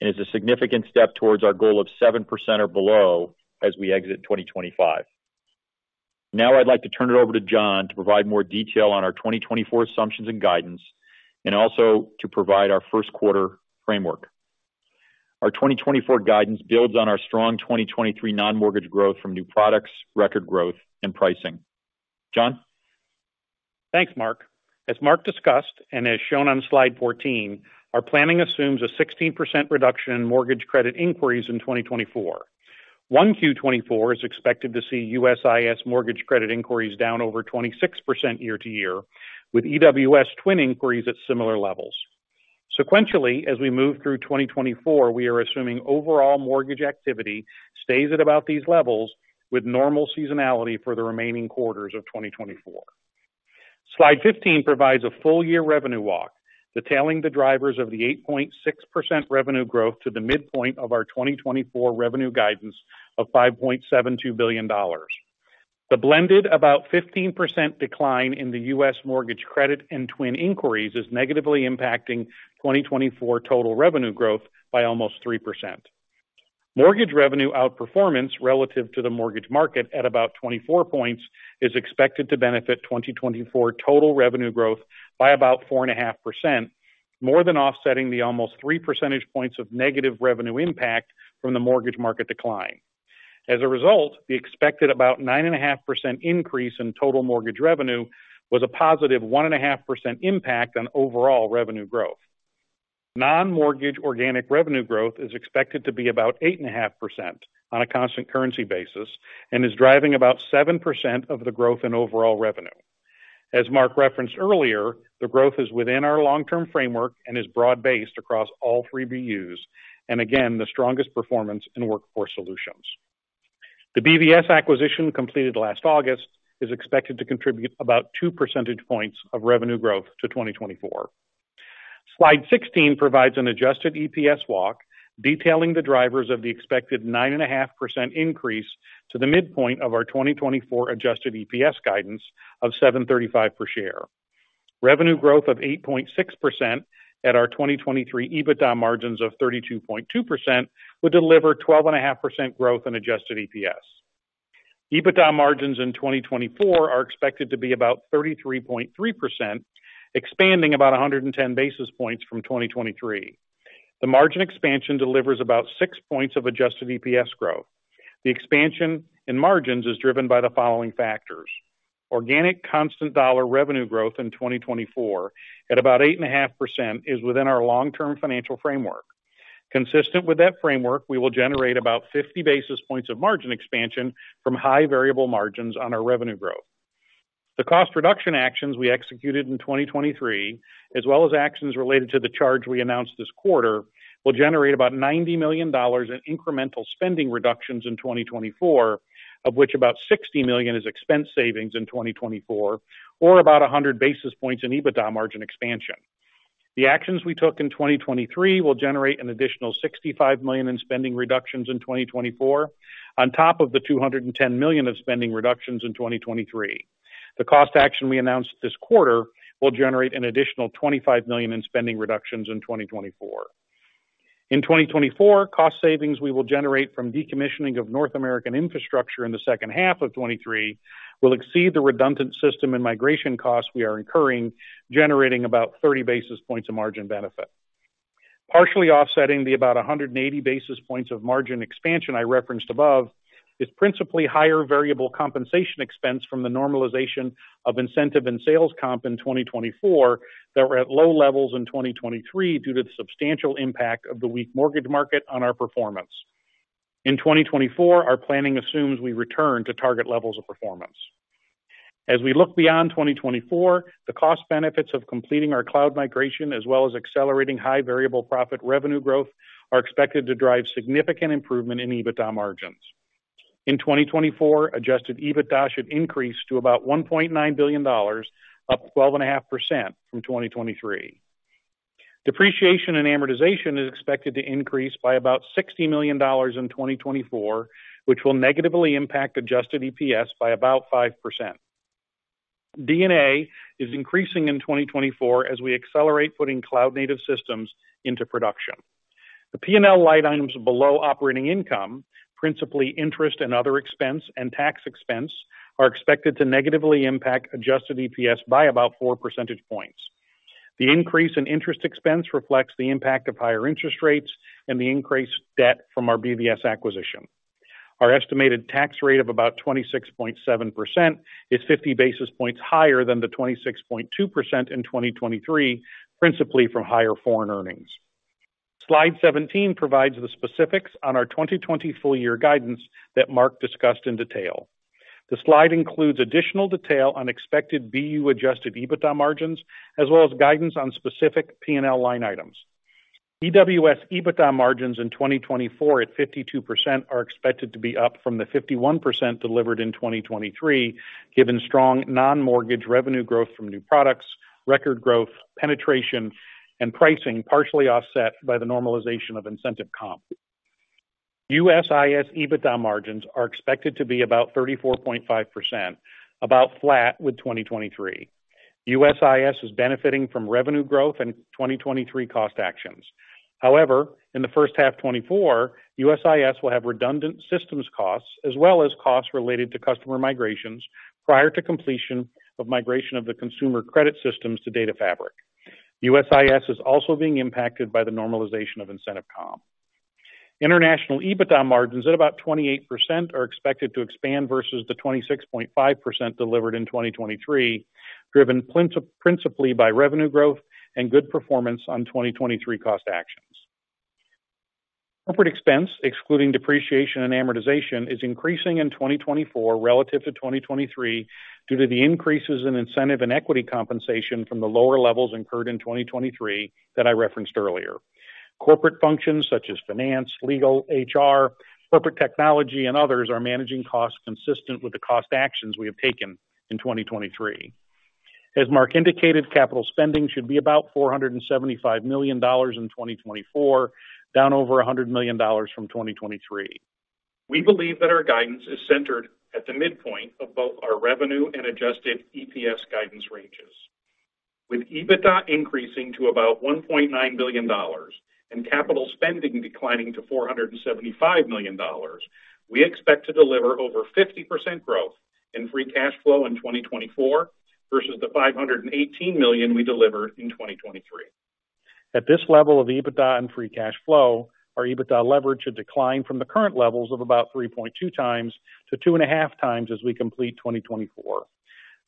and is a significant step towards our goal of 7% or below as we exit 2025. Now, I'd like to turn it over to John to provide more detail on our 2024 assumptions and guidance, and also to provide our first quarter framework. Our 2024 guidance builds on our strong 2023 non-mortgage growth from new products, record growth and pricing. John?
Thanks, Mark. As Mark discussed, and as shown on slide 14, our planning assumes a 16% reduction in mortgage credit inquiries in 2024. 1Q 2024 is expected to see USIS mortgage credit inquiries down over 26% year-over-year, with EWS TWN inquiries at similar levels. Sequentially, as we move through 2024, we are assuming overall mortgage activity stays at about these levels, with normal seasonality for the remaining quarters of 2024. Slide 15 provides a full year revenue walk, detailing the drivers of the 8.6% revenue growth to the midpoint of our 2024 revenue guidance of $5.72 billion. The blended about 15% decline in the U.S. mortgage credit and TWN inquiries is negatively impacting 2024 total revenue growth by almost 3%. Mortgage revenue outperformance relative to the mortgage market at about 24 points is expected to benefit 2024 total revenue growth by about 4.5%, more than offsetting the almost 3 percentage points of negative revenue impact from the mortgage market decline. As a result, the expected about 9.5% increase in total mortgage revenue was a +1.5% impact on overall revenue growth. Non-mortgage organic revenue growth is expected to be about 8.5% on a constant currency basis and is driving about 7% of the growth in overall revenue. As Mark referenced earlier, the growth is within our long-term framework and is broad-based across all three BUs, and again, the strongest performance in Workforce Solutions. The BVS acquisition, completed last August, is expected to contribute about two percentage points of revenue growth to 2024. Slide 16 provides an adjusted EPS walk, detailing the drivers of the expected 9.5% increase to the midpoint of our 2024 adjusted EPS guidance of $7.35 per share. Revenue growth of 8.6% at our 2023 EBITDA margins of 32.2% would deliver 12.5% growth in adjusted EPS. EBITDA margins in 2024 are expected to be about 33.3%, expanding about 110 basis points from 2023. The margin expansion delivers about six points of adjusted EPS growth. The expansion in margins is driven by the following factors: Organic constant dollar revenue growth in 2024, at about 8.5%, is within our long-term financial framework. Consistent with that framework, we will generate about 50 basis points of margin expansion from high variable margins on our revenue growth. The cost reduction actions we executed in 2023, as well as actions related to the charge we announced this quarter, will generate about $90 million in incremental spending reductions in 2024, of which about $60 million is expense savings in 2024, or about 100 basis points in EBITDA margin expansion. The actions we took in 2023 will generate an additional $65 million in spending reductions in 2024, on top of the $210 million of spending reductions in 2023. The cost action we announced this quarter will generate an additional $25 million in spending reductions in 2024. In 2024, cost savings we will generate from decommissioning of North American infrastructure in the second half of 2023 will exceed the redundant system and migration costs we are incurring, generating about 30 basis points of margin benefit. Partially offsetting the about 180 basis points of margin expansion I referenced above, is principally higher variable compensation expense from the normalization of incentive and sales comp in 2024, that were at low levels in 2023 due to the substantial impact of the weak mortgage market on our performance. In 2024, our planning assumes we return to target levels of performance. As we look beyond 2024, the cost benefits of completing our cloud migration, as well as accelerating high variable profit revenue growth, are expected to drive significant improvement in EBITDA margins. In 2024, adjusted EBITDA should increase to about $1.9 billion, up 12.5% from 2023. Depreciation and amortization is expected to increase by about $60 million in 2024, which will negatively impact adjusted EPS by about 5%. D&A is increasing in 2024 as we accelerate putting cloud-native systems into production. The P&L line items below operating income, principally interest and other expense and tax expense, are expected to negatively impact adjusted EPS by about 4 percentage points. The increase in interest expense reflects the impact of higher interest rates and the increased debt from our BVS acquisition. Our estimated tax rate of about 26.7% is 50 basis points higher than the 26.2% in 2023, principally from higher foreign earnings. Slide 17 provides the specifics on our 2024 full year guidance that Mark discussed in detail. The slide includes additional detail on expected BU adjusted EBITDA margins, as well as guidance on specific P&L line items. EWS EBITDA margins in 2024 at 52% are expected to be up from the 51% delivered in 2023, given strong non-mortgage revenue growth from new products, record growth, penetration, and pricing, partially offset by the normalization of incentive comp. USIS EBITDA margins are expected to be about 34.5%, about flat with 2023. USIS is benefiting from revenue growth and 2023 cost actions. However, in the first half 2024, USIS will have redundant systems costs as well as costs related to customer migrations prior to completion of migration of the consumer credit systems to Data Fabric. USIS is also being impacted by the normalization of incentive comp. International EBITDA margins at about 28% are expected to expand versus the 26.5% delivered in 2023, driven principally by revenue growth and good performance on 2023 cost actions. Corporate expense, excluding depreciation and amortization, is increasing in 2024 relative to 2023 due to the increases in incentive and equity compensation from the lower levels incurred in 2023 that I referenced earlier. Corporate functions such as finance, legal, HR, corporate technology, and others are managing costs consistent with the cost actions we have taken in 2023. As Mark indicated, capital spending should be about $475 million in 2024, down over $100 million from 2023. We believe that our guidance is centered at the midpoint of both our revenue and adjusted EPS guidance ranges. With EBITDA increasing to about $1.9 billion and capital spending declining to $475 million, we expect to deliver over 50% growth in free cash flow in 2024 versus the $518 million we delivered in 2023. At this level of EBITDA and free cash flow, our EBITDA leverage should decline from the current levels of about 3.2x to 2.5x as we complete 2024.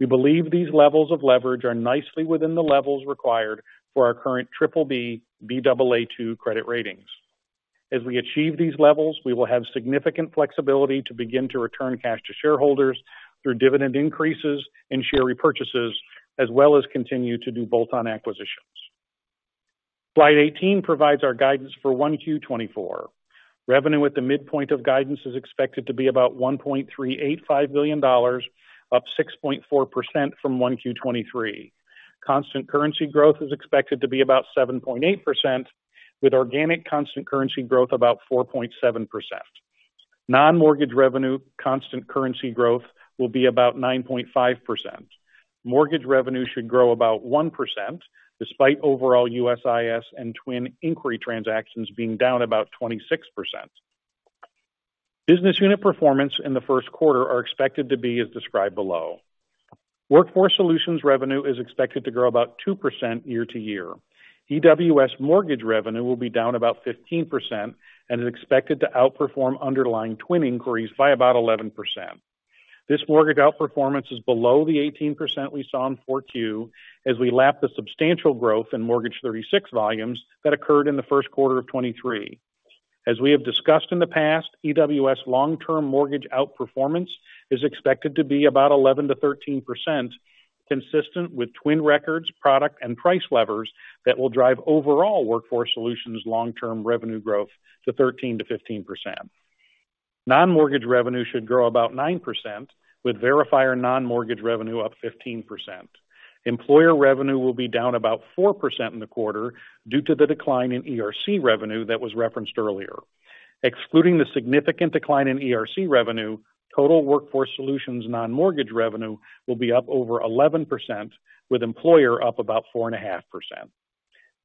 We believe these levels of leverage are nicely within the levels required for our current BBB, Baa2 credit ratings. As we achieve these levels, we will have significant flexibility to begin to return cash to shareholders through dividend increases and share repurchases, as well as continue to do bolt-on acquisitions. Slide 18 provides our guidance for 1Q 2024. Revenue at the midpoint of guidance is expected to be about $1.385 billion, up 6.4% from 1Q 2023. Constant currency growth is expected to be about 7.8%, with organic constant currency growth about 4.7%. Non-mortgage revenue, constant currency growth will be about 9.5%. Mortgage revenue should grow about 1%, despite overall USIS and TWN inquiry transactions being down about 26%. Business unit performance in the first quarter are expected to be as described below. Workforce Solutions revenue is expected to grow about 2% year-over-year. EWS mortgage revenue will be down about 15% and is expected to outperform underlying TWN inquiries by about 11%. This mortgage outperformance is below the 18% we saw in 4Q as we lap the substantial growth in Mortgage 36 volumes that occurred in the first quarter of 2023. As we have discussed in the past, EWS long-term mortgage outperformance is expected to be about 11%-13%, consistent with TWN records, product and price levers that will drive overall Workforce Solutions long-term revenue growth to 13%-15%. Non-mortgage revenue should grow about 9%, with Verifier non-mortgage revenue up 15%. Employer revenue will be down about 4% in the quarter due to the decline in ERC revenue that was referenced earlier. Excluding the significant decline in ERC revenue, total Workforce Solutions non-mortgage revenue will be up over 11%, with employer up about 4.5%.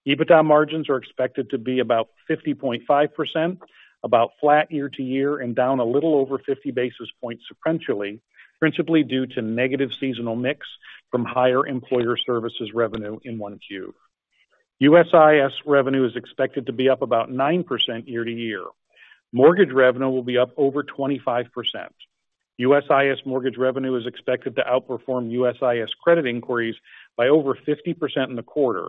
EBITDA margins are expected to be about 50.5%, about flat year-over-year, and down a little over 50 basis points sequentially, principally due to negative seasonal mix from higher Employer Services revenue in Q1. USIS revenue is expected to be up about 9% year-over-year. Mortgage revenue will be up over 25%. USIS mortgage revenue is expected to outperform USIS credit inquiries by over 50% in the quarter.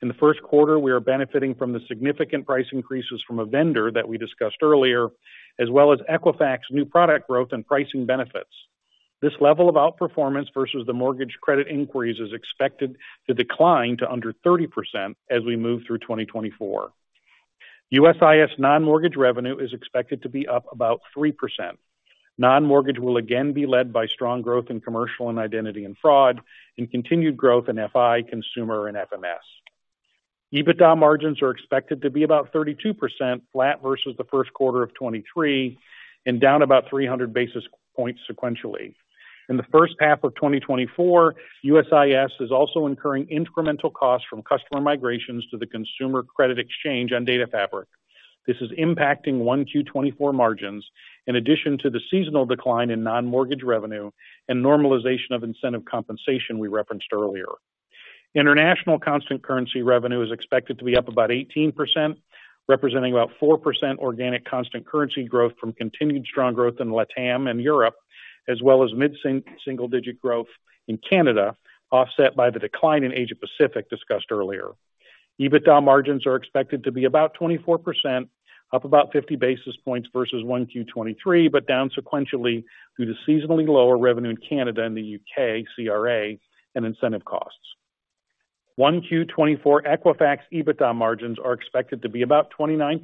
In the first quarter, we are benefiting from the significant price increases from a vendor that we discussed earlier, as well as Equifax new product growth and pricing benefits. This level of outperformance versus the mortgage credit inquiries is expected to decline to under 30% as we move through 2024. USIS non-mortgage revenue is expected to be up about 3%. Non-mortgage will again be led by strong growth in commercial and identity and fraud, and continued growth in FI, consumer and FMS. EBITDA margins are expected to be about 32%, flat versus the first quarter of 2023, and down about 300 basis points sequentially. In the first half of 2024, USIS is also incurring incremental costs from customer migrations to the Consumer Credit Exchange on Data Fabric. This is impacting 1Q 2024 margins, in addition to the seasonal decline in non-mortgage revenue and normalization of incentive compensation we referenced earlier. International constant currency revenue is expected to be up about 18%, representing about 4% organic constant currency growth from continued strong growth in LATAM and Europe, as well as mid-single-digit growth in Canada, offset by the decline in Asia Pacific discussed earlier. EBITDA margins are expected to be about 24%, up about 50 basis points versus 1Q 2023, but down sequentially due to seasonally lower revenue in Canada and the U.K., CRA and incentive costs. 1Q 2024 Equifax EBITDA margins are expected to be about 29%,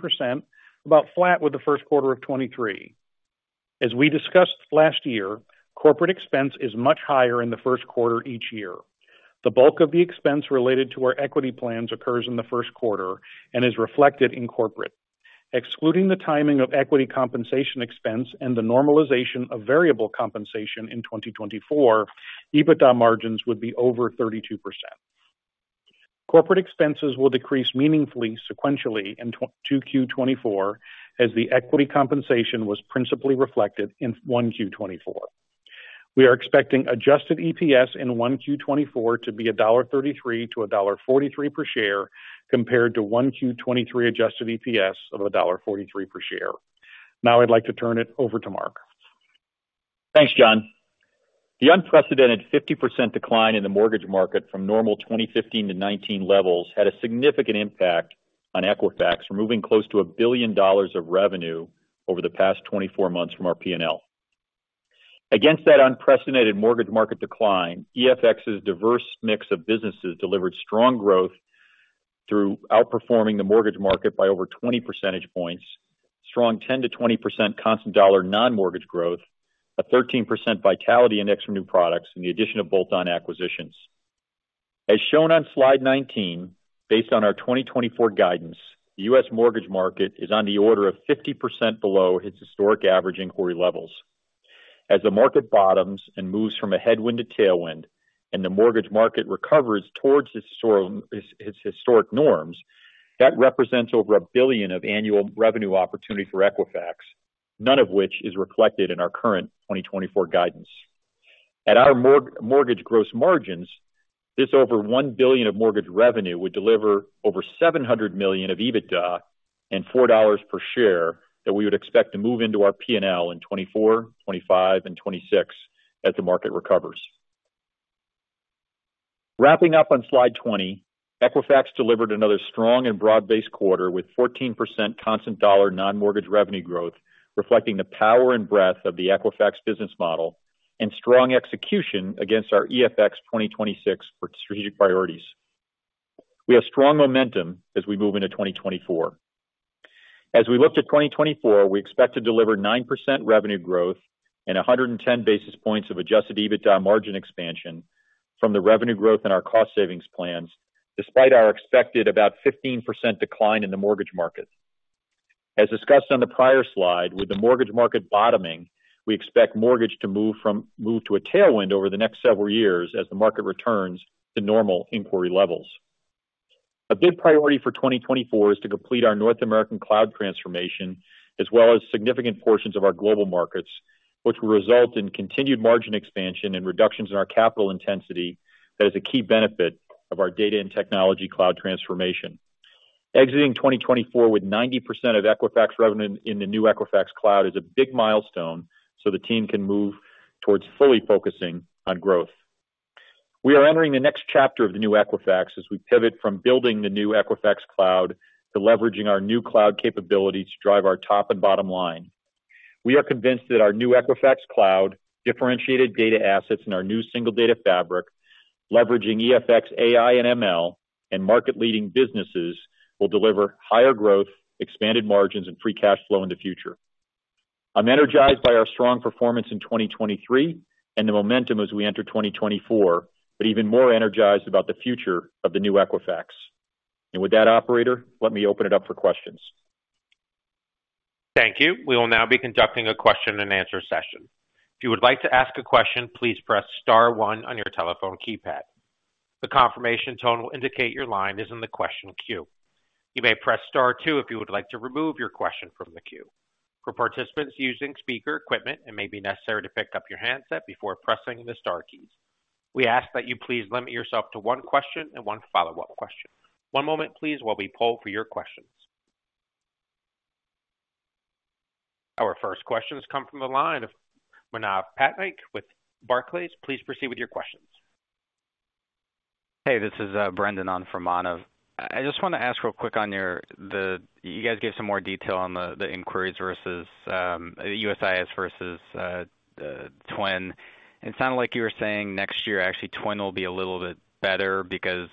about flat with the first quarter of 2023. As we discussed last year, corporate expense is much higher in the first quarter each year. The bulk of the expense related to our equity plans occurs in the first quarter and is reflected in corporate. Excluding the timing of equity compensation expense and the normalization of variable compensation in 2024, EBITDA margins would be over 32%. Corporate expenses will decrease meaningfully sequentially in 2Q 2024, as the equity compensation was principally reflected in 1Q 2024. We are expecting adjusted EPS in 1Q 2024 to be $1.33-$1.43 per share, compared to 1Q 2023 adjusted EPS of $1.43 per share. Now I'd like to turn it over to Mark.
Thanks, John. The unprecedented 50% decline in the mortgage market from normal 2015 to 2019 levels had a significant impact on Equifax, removing close to $1 billion of revenue over the past 24 months from our P&L. Against that unprecedented mortgage market decline, EFX's diverse mix of businesses delivered strong growth through outperforming the mortgage market by over 20 percentage points, strong 10%-20% constant dollar non-mortgage growth, a 13% Vitality Index from new products, and the addition of bolt-on acquisitions. As shown on Slide 19, based on our 2024 guidance, the U.S. mortgage market is on the order of 50% below its historic average inquiry levels. As the market bottoms and moves from a headwind to tailwind, and the mortgage market recovers towards its historic norms, that represents over $1 billion of annual revenue opportunity for Equifax, none of which is reflected in our current 2024 guidance. At our mortgage gross margins, this over $1 billion of mortgage revenue would deliver over $700 million of EBITDA and $4 per share, that we would expect to move into our P&L in 2024, 2025 and 2026 as the market recovers. Wrapping up on Slide 20, Equifax delivered another strong and broad-based quarter with 14% constant dollar non-mortgage revenue growth, reflecting the power and breadth of the Equifax business model and strong execution against our EFX 2026 strategic priorities. We have strong momentum as we move into 2024. As we look to 2024, we expect to deliver 9% revenue growth and 110 basis points of Adjusted EBITDA margin expansion. From the revenue growth in our cost savings plans, despite our expected about 15% decline in the mortgage market. As discussed on the prior slide, with the mortgage market bottoming, we expect mortgage to move to a tailwind over the next several years as the market returns to normal inquiry levels. A big priority for 2024 is to complete our North American cloud transformation, as well as significant portions of our global markets, which will result in continued margin expansion and reductions in our capital intensity. That is a key benefit of our data and technology cloud transformation. Exiting 2024 with 90% of Equifax revenue in the new Equifax Cloud is a big milestone, so the team can move towards fully focusing on growth. We are entering the next chapter of the new Equifax as we pivot from building the new Equifax Cloud to leveraging our new cloud capability to drive our top and bottom line. We are convinced that our new Equifax Cloud, differentiated data assets in our new Single Data Fabric, leveraging EFX.AI and ML, and market-leading businesses, will deliver higher growth, expanded margins, and free cash flow in the future. I'm energized by our strong performance in 2023 and the momentum as we enter 2024, but even more energized about the future of the new Equifax. And with that, operator, let me open it up for questions.
Thank you. We will now be conducting a question-and-answer session. If you would like to ask a question, please press star one on your telephone keypad. The confirmation tone will indicate your line is in the question queue. You may press star two if you would like to remove your question from the queue. For participants using speaker equipment, it may be necessary to pick up your handset before pressing the star keys. We ask that you please limit yourself to one question and one follow-up question. One moment, please, while we poll for your questions. Our first questions come from the line of Manav Patnaik with Barclays. Please proceed with your questions.
Hey, this is Brendan on for Manav. I just want to ask real quick on your-the-you guys gave some more detail on the inquiries versus USIS versus TWN. It sounded like you were saying next year, actually, TWN will be a little bit better because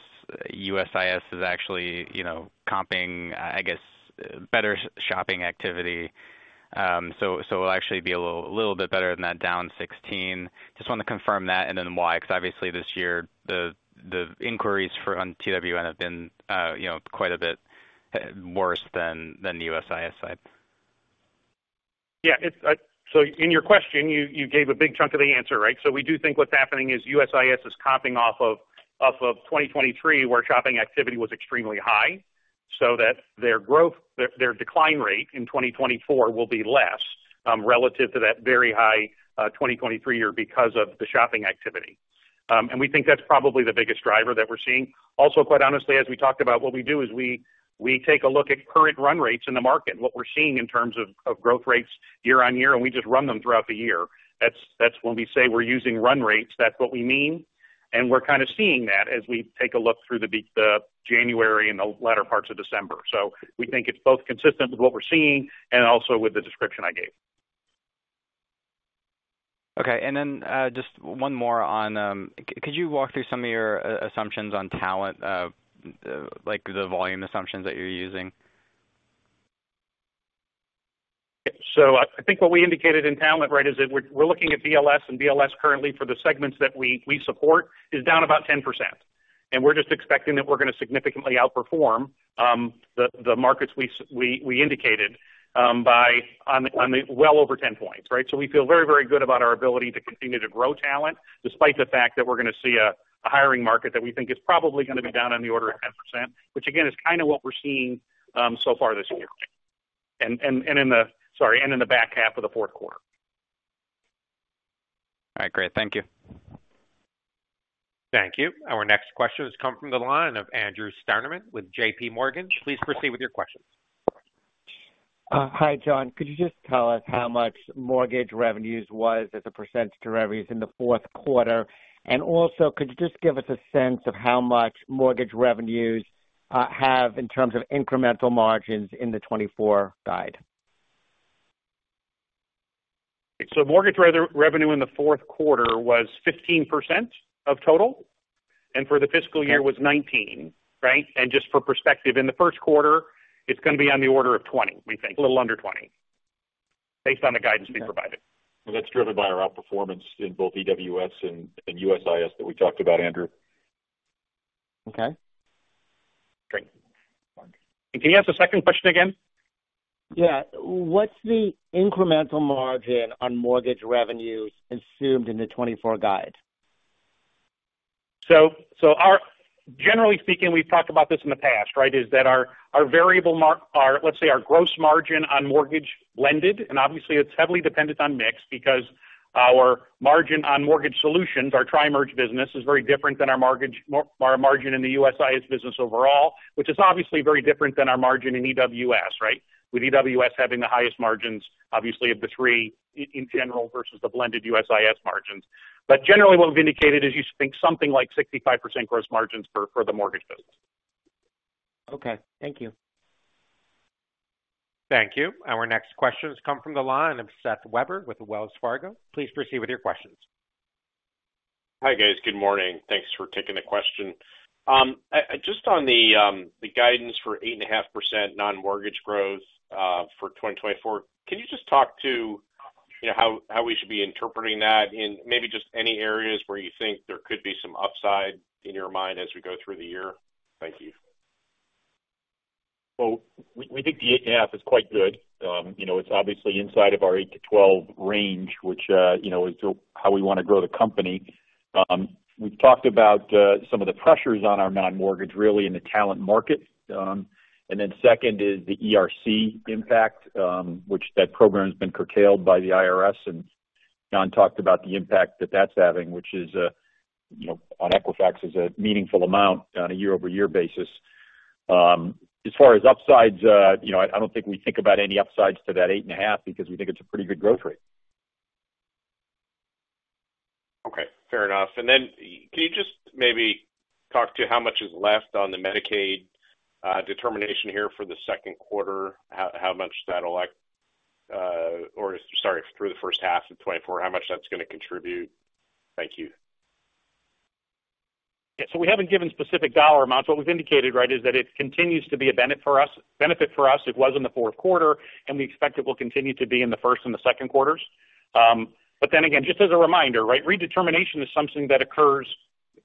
USIS is actually, you know, comping, I guess, better shopping activity. So, it'll actually be a little bit better than that, down 16%. Just want to confirm that and then why? Because obviously this year, the inquiries for TWN have been, you know, quite a bit worse than the USIS side.
Yeah, it's. So in your question, you, you gave a big chunk of the answer, right? So we do think what's happening is USIS is comping off of 2023, where shopping activity was extremely high, so that their growth, their decline rate in 2024 will be less, relative to that very high 2023 year because of the shopping activity. And we think that's probably the biggest driver that we're seeing. Also, quite honestly, as we talked about, what we do is we take a look at current run rates in the market, what we're seeing in terms of growth rates year-over-year, and we just run them throughout the year. That's, that's when we say we're using run rates, that's what we mean, and we're kind of seeing that as we take a look through the January and the latter parts of December. So we think it's both consistent with what we're seeing and also with the description I gave.
Okay, and then just one more on... Could you walk through some of your assumptions on talent? Like the volume assumptions that you're using.
So I think what we indicated in talent, right, is that we're looking at BLS, and BLS currently for the segments that we support, is down about 10%. And we're just expecting that we're going to significantly outperform the markets we indicated by well over 10 points, right? So we feel very, very good about our ability to continue to grow talent, despite the fact that we're going to see a hiring market that we think is probably going to be down on the order of 10%, which again, is kind of what we're seeing so far this year. Sorry, and in the back half of the fourth quarter.
All right, great. Thank you.
Thank you. Our next question has come from the line of Andrew Steinerman with JPMorgan. Please proceed with your questions.
Hi, John. Could you just tell us how much mortgage revenues was as a percentage to revenues in the fourth quarter? And also, could you just give us a sense of how much mortgage revenues have in terms of incremental margins in the 2024 guide?
So mortgage revenue in the fourth quarter was 15% of total, and for the fiscal year was 19, right? And just for perspective, in the first quarter, it's going to be on the order of 20, we think. A little under 20, based on the guidance we provided.
Well, that's driven by our outperformance in both EWS and USIS that we talked about, Andrew.
Okay, great.
Can you ask the second question again?
Yeah. What's the incremental margin on mortgage revenues assumed in the 2024 guide?
So, generally speaking, we've talked about this in the past, right? That our variable margin, let's say, our gross margin on mortgage blended, and obviously it's heavily dependent on mix, because our margin on mortgage solutions, our Tri-Merge business, is very different than our margin in the USIS business overall, which is obviously very different than our margin in EWS, right? With EWS having the highest margins, obviously, of the three in general versus the blended USIS margins. But generally, what we've indicated is you think something like 65% gross margins for the mortgage business.
Okay, thank you.
Thank you. Our next question has come from the line of Seth Weber with Wells Fargo. Please proceed with your questions.
Hi, guys. Good morning. Thanks for taking the question. Just on the guidance for 8.5% non-mortgage growth for 2024, can you just talk to you know, how we should be interpreting that, and maybe just any areas where you think there could be some upside in your mind as we go through the year? Thank you.
Well, we think the 8.5 is quite good. You know, it's obviously inside of our 8-12 range, which, you know, is how we wanna grow the company. We've talked about some of the pressures on our non-mortgage, really in the talent market. And then second is the ERC impact, which that program has been curtailed by the IRS, and John talked about the impact that that's having, which is, you know, on Equifax is a meaningful amount on a year-over-year basis. As far as upsides, you know, I don't think we think about any upsides to that 8.5 because we think it's a pretty good growth rate.
Okay, fair enough. And then can you just maybe talk to how much is left on the Medicaid determination here for the second quarter? How much that'll. Or sorry, through the first half of 2024, how much that's gonna contribute? Thank you.
Yeah, so we haven't given specific dollar amounts. What we've indicated, right, is that it continues to be a benefit for us, benefit for us. It was in the fourth quarter, and we expect it will continue to be in the first and the second quarters. But then again, just as a reminder, right, redetermination is something that occurs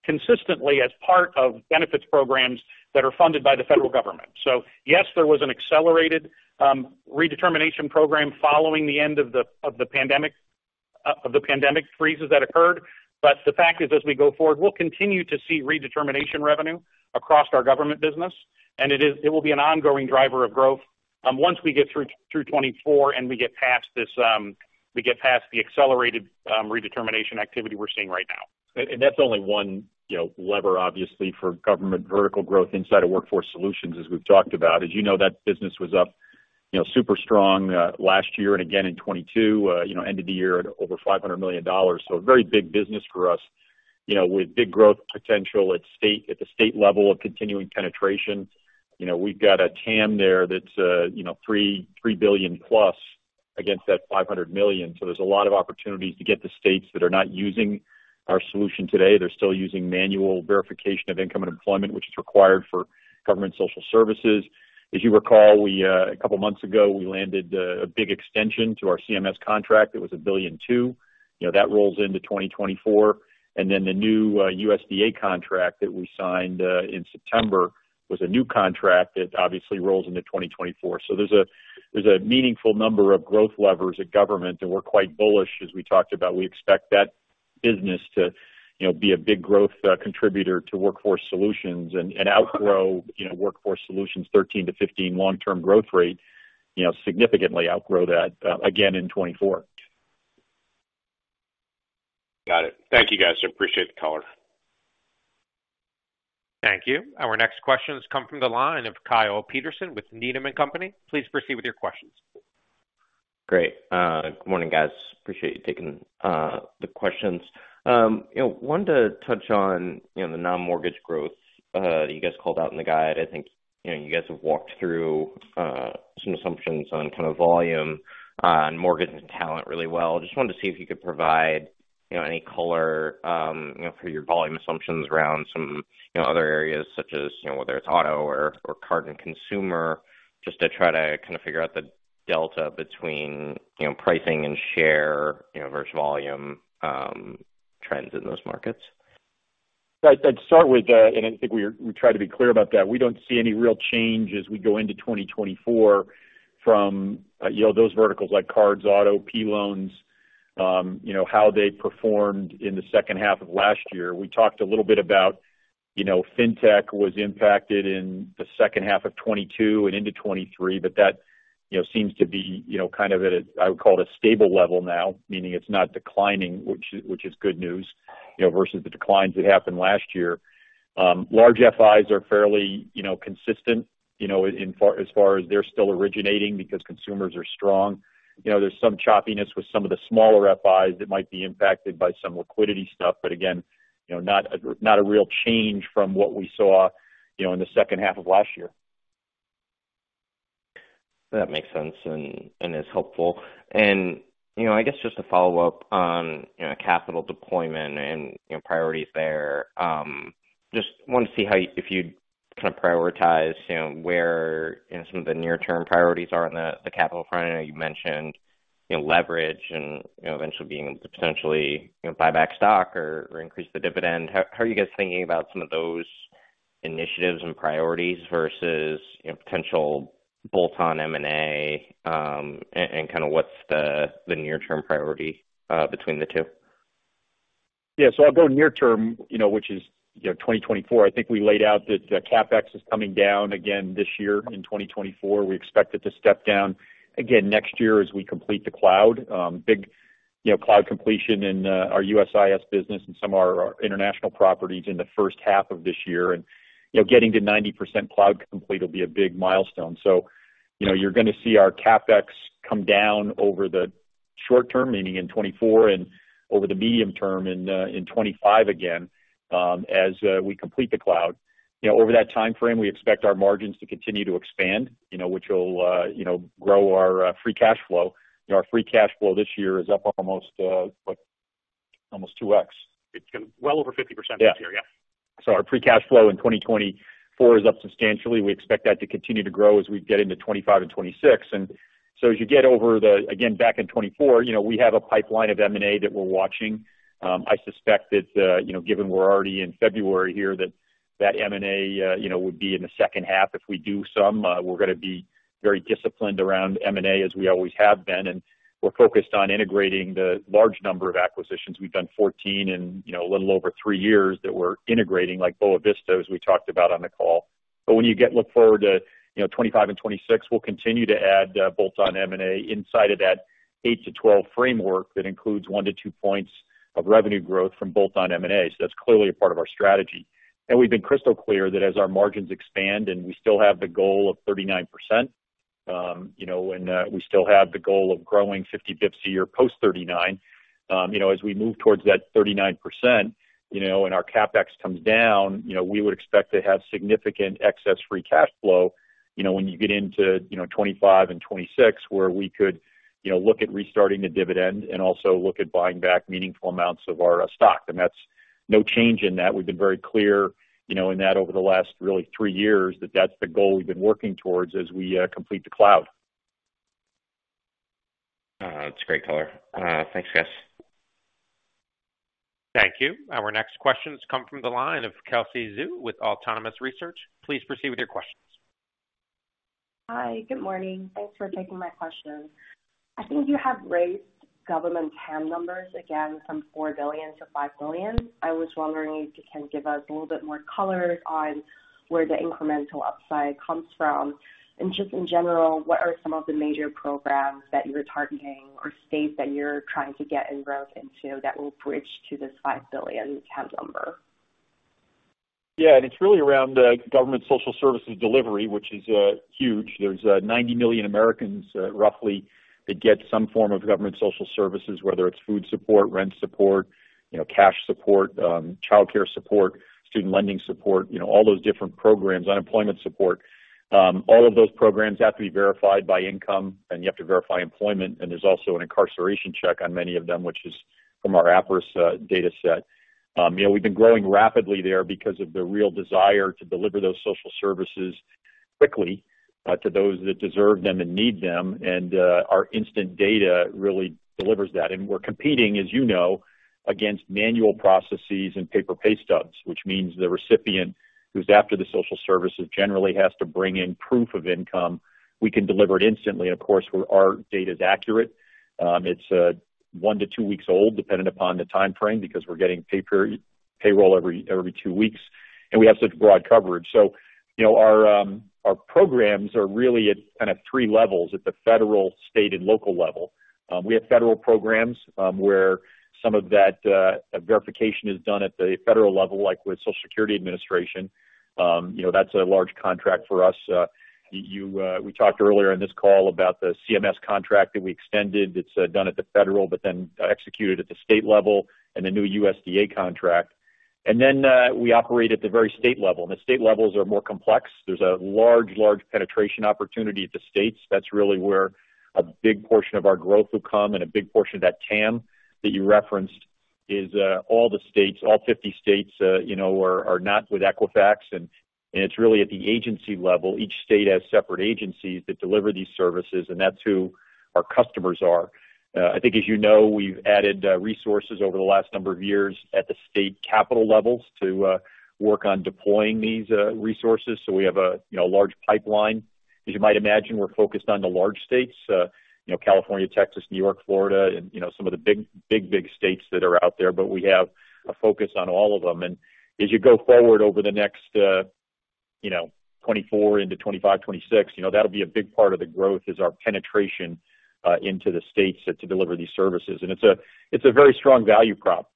consistently as part of benefits programs that are funded by the federal government. So yes, there was an accelerated redetermination program following the end of the pandemic freezes that occurred. But the fact is, as we go forward, we'll continue to see redetermination revenue across our government business, and it will be an ongoing driver of growth, once we get through 2024 and we get past this, we get past the accelerated redetermination activity we're seeing right now. And that's only one, you know, lever, obviously, for government vertical growth inside of Workforce Solutions, as we've talked about. As you know, that business was up, you know, super strong, last year and again in 2022, you know, end of the year at over $500 million. So a very big business for us, you know, with big growth potential at the state level of continuing penetration. You know, we've got a TAM there that's, you know, $3.3 billion-plus against that $500 million. So there's a lot of opportunities to get to states that are not using our solution today. They're still using manual verification of income and employment, which is required for government social services. As you recall, we, a couple of months ago, we landed, a big extension to our CMS contract. It was $1.2 billion. You know, that rolls into 2024. And then the new, USDA contract that we signed, in September was a new contract that obviously rolls into 2024. So there's a, there's a meaningful number of growth levers at government, and we're quite bullish, as we talked about. We expect that business to, you know, be a big growth, contributor to Workforce Solutions and, and outgrow, you know, Workforce Solutions 13%-15% long-term growth rate, you know, significantly outgrow that, again in 2024.
Got it. Thank you, guys. I appreciate the call.
Thank you. Our next question has come from the line of Kyle Peterson with Needham and Company. Please proceed with your questions.
Great. Good morning, guys. Appreciate you taking the questions. You know, wanted to touch on, you know, the non-mortgage growth that you guys called out in the guide. I think, you know, you guys have walked through some assumptions on kind of volume and mortgage and talent really well. Just wanted to see if you could provide, you know, any color, you know, for your volume assumptions around some, you know, other areas such as, you know, whether it's auto or, or card and consumer, just to try to kind of figure out the delta between, you know, pricing and share, you know, versus volume, trends in those markets.
Right. I'd start with, and I think we try to be clear about that. We don't see any real change as we go into 2024 from, you know, those verticals like cards, auto, P-loans, you know, how they performed in the second half of last year. We talked a little bit about, you know, fintech was impacted in the second half of 2022 and into 2023, but that, you know, seems to be, you know, kind of at a, I would call it, a stable level now, meaning it's not declining, which is, which is good news, you know, versus the declines that happened last year. Large FIs are fairly, you know, consistent, you know, in as far as they're still originating because consumers are strong. You know, there's some choppiness with some of the smaller FIs that might be impacted by some liquidity stuff, but again, you know, not a real change from what we saw, you know, in the second half of last year.
That makes sense and is helpful. You know, I guess just to follow up on capital deployment and priorities there, just wanted to see how you'd kind of prioritize where some of the near-term priorities are on the capital front. I know you mentioned leverage and eventually being able to potentially buy back stock or increase the dividend. How are you guys thinking about some of those initiatives and priorities versus potential bolt-on M&A and kind of what's the near-term priority between the two?
Yeah, so I'll go near term, you know, which is, you know, 2024. I think we laid out that the CapEx is coming down again this year in 2024. We expect it to step down again next year as we complete the cloud. Big, you know, cloud completion in our USIS business and some of our international properties in the first half of this year. And, you know, getting to 90% cloud complete will be a big milestone. So, you know, you're gonna see our CapEx come down over the short term, meaning in 2024 and over the medium term in 2025 again, as we complete the cloud. You know, over that timeframe, we expect our margins to continue to expand, you know, which will, you know, grow our free cash flow. You know, our free cash flow this year is up almost 2x.
It's well over 50% this year, yeah.
So our free cash flow in 2024 is up substantially. We expect that to continue to grow as we get into 2025 and 2026. And so as you get over the, again, back in 2024, you know, we have a pipeline of M&A that we're watching. I suspect that, you know, given we're already in February here, that M&A, you know, would be in the second half. If we do some, we're gonna be very disciplined around M&A, as we always have been, and we're focused on integrating the large number of acquisitions. We've done 14 in, you know, a little over 3 years that we're integrating, like Boa Vista, as we talked about on the call. But when you look forward to, you know, 2025 and 2026, we'll continue to add bolt-on M&A inside of that 8-12 framework. That includes 1-2 points of revenue growth from both on M&A. So that's clearly a part of our strategy. And we've been crystal clear that as our margins expand and we still have the goal of 39%, you know, and we still have the goal of growing 50 basis points a year, post 39%. You know, as we move towards that 39%, you know, and our CapEx comes down, you know, we would expect to have significant excess free cash flow. You know, when you get into, you know, 2025 and 2026, where we could, you know, look at restarting the dividend and also look at buying back meaningful amounts of our stock. That's no change in that. We've been very clear, you know, in that over the last really three years, that that's the goal we've been working towards as we complete the cloud.
That's a great color. Thanks, guys.
Thank you. Our next questions come from the line of Kelsey Zhu with Autonomous Research. Please proceed with your questions.
Hi, good morning. Thanks for taking my questions. I think you have raised government TAM numbers again from $4 billion to $5 billion. I was wondering if you can give us a little bit more color on where the incremental upside comes from. And just in general, what are some of the major programs that you are targeting or states that you're trying to get in growth into that will bridge to this $5 billion TAM number?
Yeah, and it's really around government social services delivery, which is huge. There's 90 million Americans, roughly, that get some form of government social services, whether it's food support, rent support, you know, cash support, childcare support, student lending support, you know, all those different programs, unemployment support. All of those programs have to be verified by income, and you have to verify employment, and there's also an incarceration check on many of them, which is from our Appriss data set. You know, we've been growing rapidly there because of the real desire to deliver those social services quickly to those that deserve them and need them. And our instant data really delivers that. We're competing, as you know, against manual processes and paper pay stubs, which means the recipient who's after the social services generally has to bring in proof of income. We can deliver it instantly and, of course, where our data is accurate. It's 1-2 weeks old, depending upon the time frame, because we're getting pay-per-payroll every 2 weeks, and we have such broad coverage. So, you know, our programs are really at kind of 3 levels, at the federal, state, and local level. We have federal programs, where some of that verification is done at the federal level, like with Social Security Administration. You know, that's a large contract for us. We talked earlier in this call about the CMS contract that we extended. It's done at the federal, but then executed at the state level and the new USDA contract. And then, we operate at the very state level, and the state levels are more complex. There's a large, large penetration opportunity at the states. That's really where a big portion of our growth will come, and a big portion of that TAM that you referenced is all the states. All 50 states, you know, are not with Equifax, and it's really at the agency level. Each state has separate agencies that deliver these services, and that's who our customers are. I think, as you know, we've added resources over the last number of years at the state capital levels to work on deploying these resources. So we have a, you know, large pipeline. As you might imagine, we're focused on the large states, you know, California, Texas, New York, Florida, and, you know, some of the big, big, big states that are out there. But we have a focus on all of them. And as you go forward over the next, you know, 2024 into 2025, 2026, you know, that'll be a big part of the growth, is our penetration into the states to deliver these services. And it's a, it's a very strong value prop.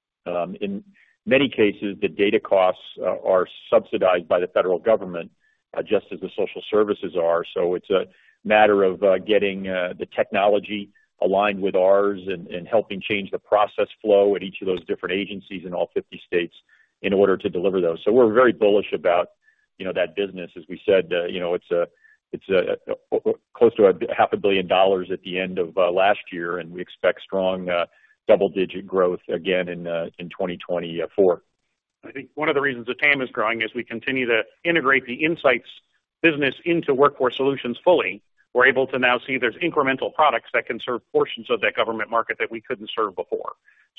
In many cases, the data costs are subsidized by the federal government, just as the social services are. So it's a matter of getting the technology aligned with ours and helping change the process flow at each of those different agencies in all 50 states in order to deliver those. We're very bullish about, you know, that business. As we said, you know, it's close to $500 million at the end of last year, and we expect strong double-digit growth again in 2024.
I think one of the reasons the TAM is growing is we continue to integrate the Insights business into Workforce Solutions fully. We're able to now see there's incremental products that can serve portions of that government market that we couldn't serve before.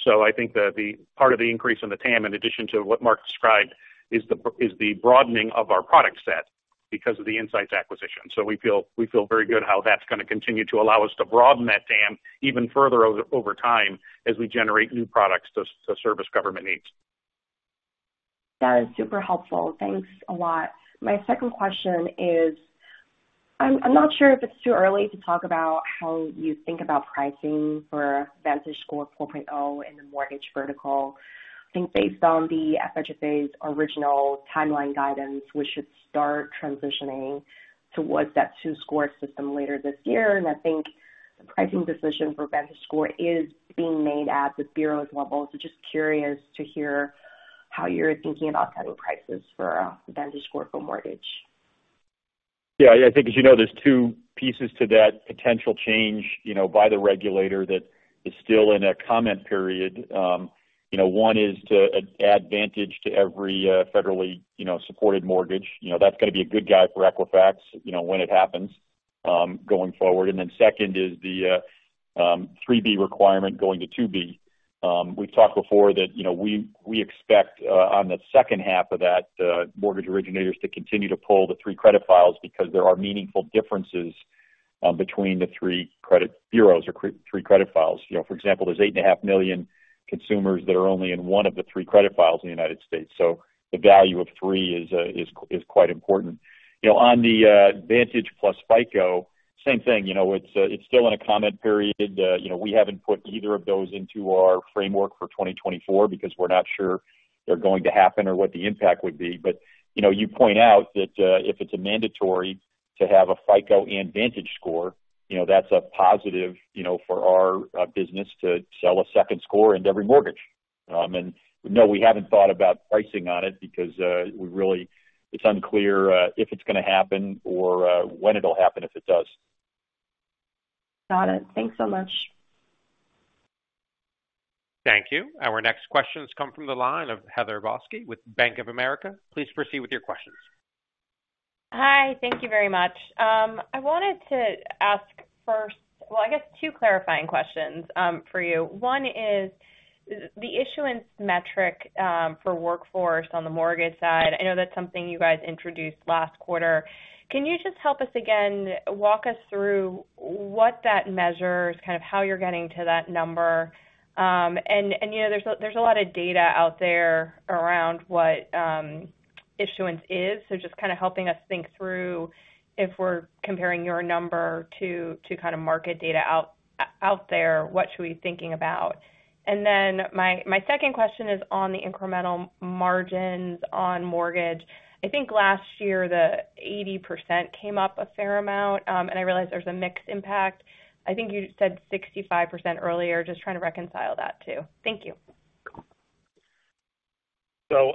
So I think that the part of the increase in the TAM, in addition to what Mark described, is the broadening of our product set because of the Insights acquisition. So we feel very good how that's gonna continue to allow us to broaden that TAM even further over time as we generate new products to service government needs.
That is super helpful. Thanks a lot. My second question is, I'm not sure if it's too early to talk about how you think about pricing for VantageScore 4.0 in the mortgage vertical. I think based on the FHFA's original timeline guidance, we should start transitioning towards that two-score system later this year. And I think the pricing decision for VantageScore is being made at the bureau's level. So just curious to hear how you're thinking about cutting prices for VantageScore for mortgage?
Yeah, I think as you know, there's two pieces to that potential change, you know, by the regulator that is still in a comment period. You know, one is to add VantageScore to every federally supported mortgage. You know, that's going to be a good thing for Equifax, you know, when it happens, going forward. And then second is the 3B requirement going to 2B. We've talked before that, you know, we expect on the second half of that, mortgage originators to continue to pull the three credit files because there are meaningful differences between the three credit bureaus or three credit files. You know, for example, there's 8.5 million consumers that are only in one of the three credit files in the United States. So the value of three is quite important. You know, on the VantageScore plus FICO, same thing. You know, it's still in a comment period. You know, we haven't put either of those into our framework for 2024 because we're not sure they're going to happen or what the impact would be. But, you know, you point out that, if it's a mandatory to have a FICO and VantageScore, you know, that's a positive, you know, for our business to sell a second score into every mortgage. And no, we haven't thought about pricing on it because, we really—it's unclear, if it's going to happen or, when it'll happen, if it does. Got it. Thanks so much.
Thank you. Our next questions come from the line of Heather Balsky with Bank of America. Please proceed with your questions.
Hi, thank you very much. I wanted to ask first... Well, I guess two clarifying questions for you. One is the issuance metric for workforce on the mortgage side. I know that's something you guys introduced last quarter. Can you just help us again, walk us through what that measures, kind of how you're getting to that number? And, you know, there's a lot of data out there around what issuance is. So just kind of helping us think through if we're comparing your number to kind of market data out there, what should we be thinking about? And then my second question is on the incremental margins on mortgage. I think last year, the 80% came up a fair amount, and I realize there's a mixed impact. I think you said 65% earlier. Just trying to reconcile that, too. Thank you.
So,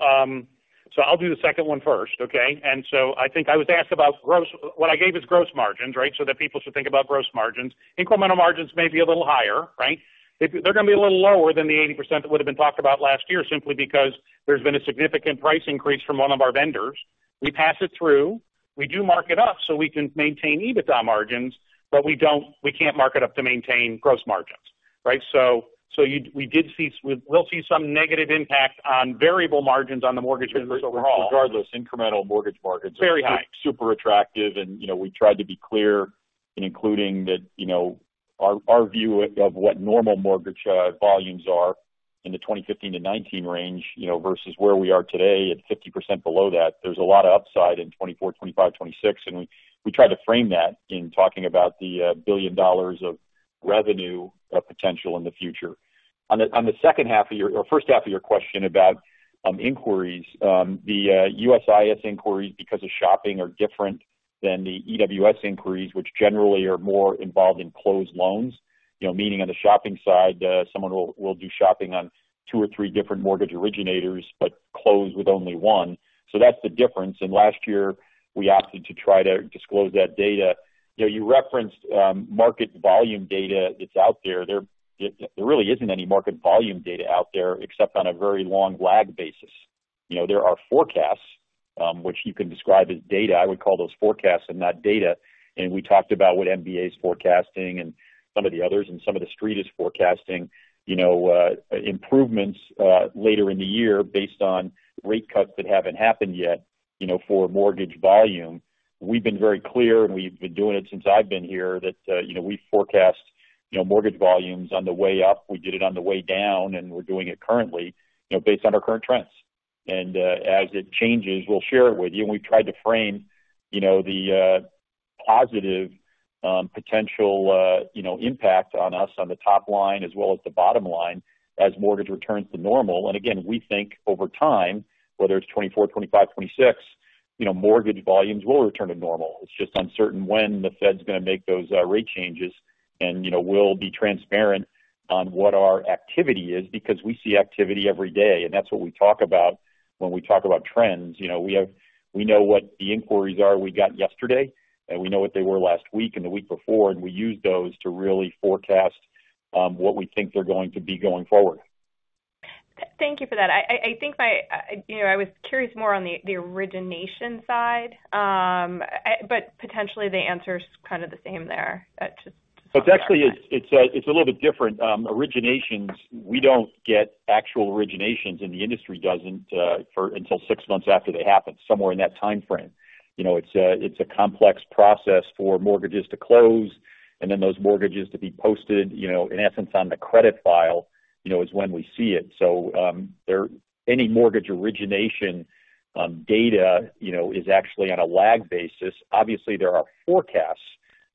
so I'll do the second one first, okay? And so I think I was asked about gross—what I gave is gross margins, right? So that people should think about gross margins. Incremental margins may be a little higher, right? They're going to be a little lower than the 80% that would have been talked about last year, simply because there's been a significant price increase from one of our vendors. We pass it through. We do mark it up so we can maintain EBITDA margins, but we don't, we can't mark it up to maintain gross margins, right? So, so you, we did see, we'll see some negative impact on variable margins on the mortgage business overall. Regardless, incremental mortgage margins. Very high. Super attractive, and, you know, we tried to be clear in including that, you know, our view of what normal mortgage volumes are in the 2015-2019 range, you know, versus where we are today at 50% below that. There's a lot of upside in 2024, 2025, 2026, and we tried to frame that in talking about the $1 billion of revenue potential in the future. On the second half of your, or first half of your question about inquiries, the USIS inquiries, because of shopping, are different than the EWS inquiries, which generally are more involved in closed loans. You know, meaning on the shopping side, someone will do shopping on 2 or 3 different mortgage originators, but close with only one. So that's the difference. Last year, we opted to try to disclose that data. You know, you referenced market volume data that's out there. There really isn't any market volume data out there except on a very long lag basis. You know, there are forecasts which you can describe as data. I would call those forecasts and not data. We talked about what MBA is forecasting and some of the others, and some of the Street is forecasting, you know, improvements later in the year based on rate cuts that haven't happened yet, you know, for mortgage volume. We've been very clear, and we've been doing it since I've been here, that you know, we forecast you know, mortgage volumes on the way up. We did it on the way down, and we're doing it currently, you know, based on our current trends. As it changes, we'll share it with you. We've tried to frame, you know, the positive potential, you know, impact on us on the top line as well as the bottom line, as mortgage returns to normal. And again, we think over time, whether it's 2024, 2025, 2026, you know, mortgage volumes will return to normal. It's just uncertain when the Fed's going to make those rate changes. You know, we'll be transparent on what our activity is, because we see activity every day, and that's what we talk about when we talk about trends. You know, we have we know what the inquiries are we got yesterday, and we know what they were last week and the week before, and we use those to really forecast what we think they're going to be going forward.
Thank you for that. I think, you know, I was curious more on the origination side, but potentially the answer's kind of the same there. That just-
But actually, it's a little bit different. Originations, we don't get actual originations, and the industry doesn't for until 6 months after they happen, somewhere in that timeframe. You know, it's a complex process for mortgages to close and then those mortgages to be posted, you know, in essence, on the credit file, you know, is when we see it. So, any mortgage origination data, you know, is actually on a lag basis. Obviously, there are forecasts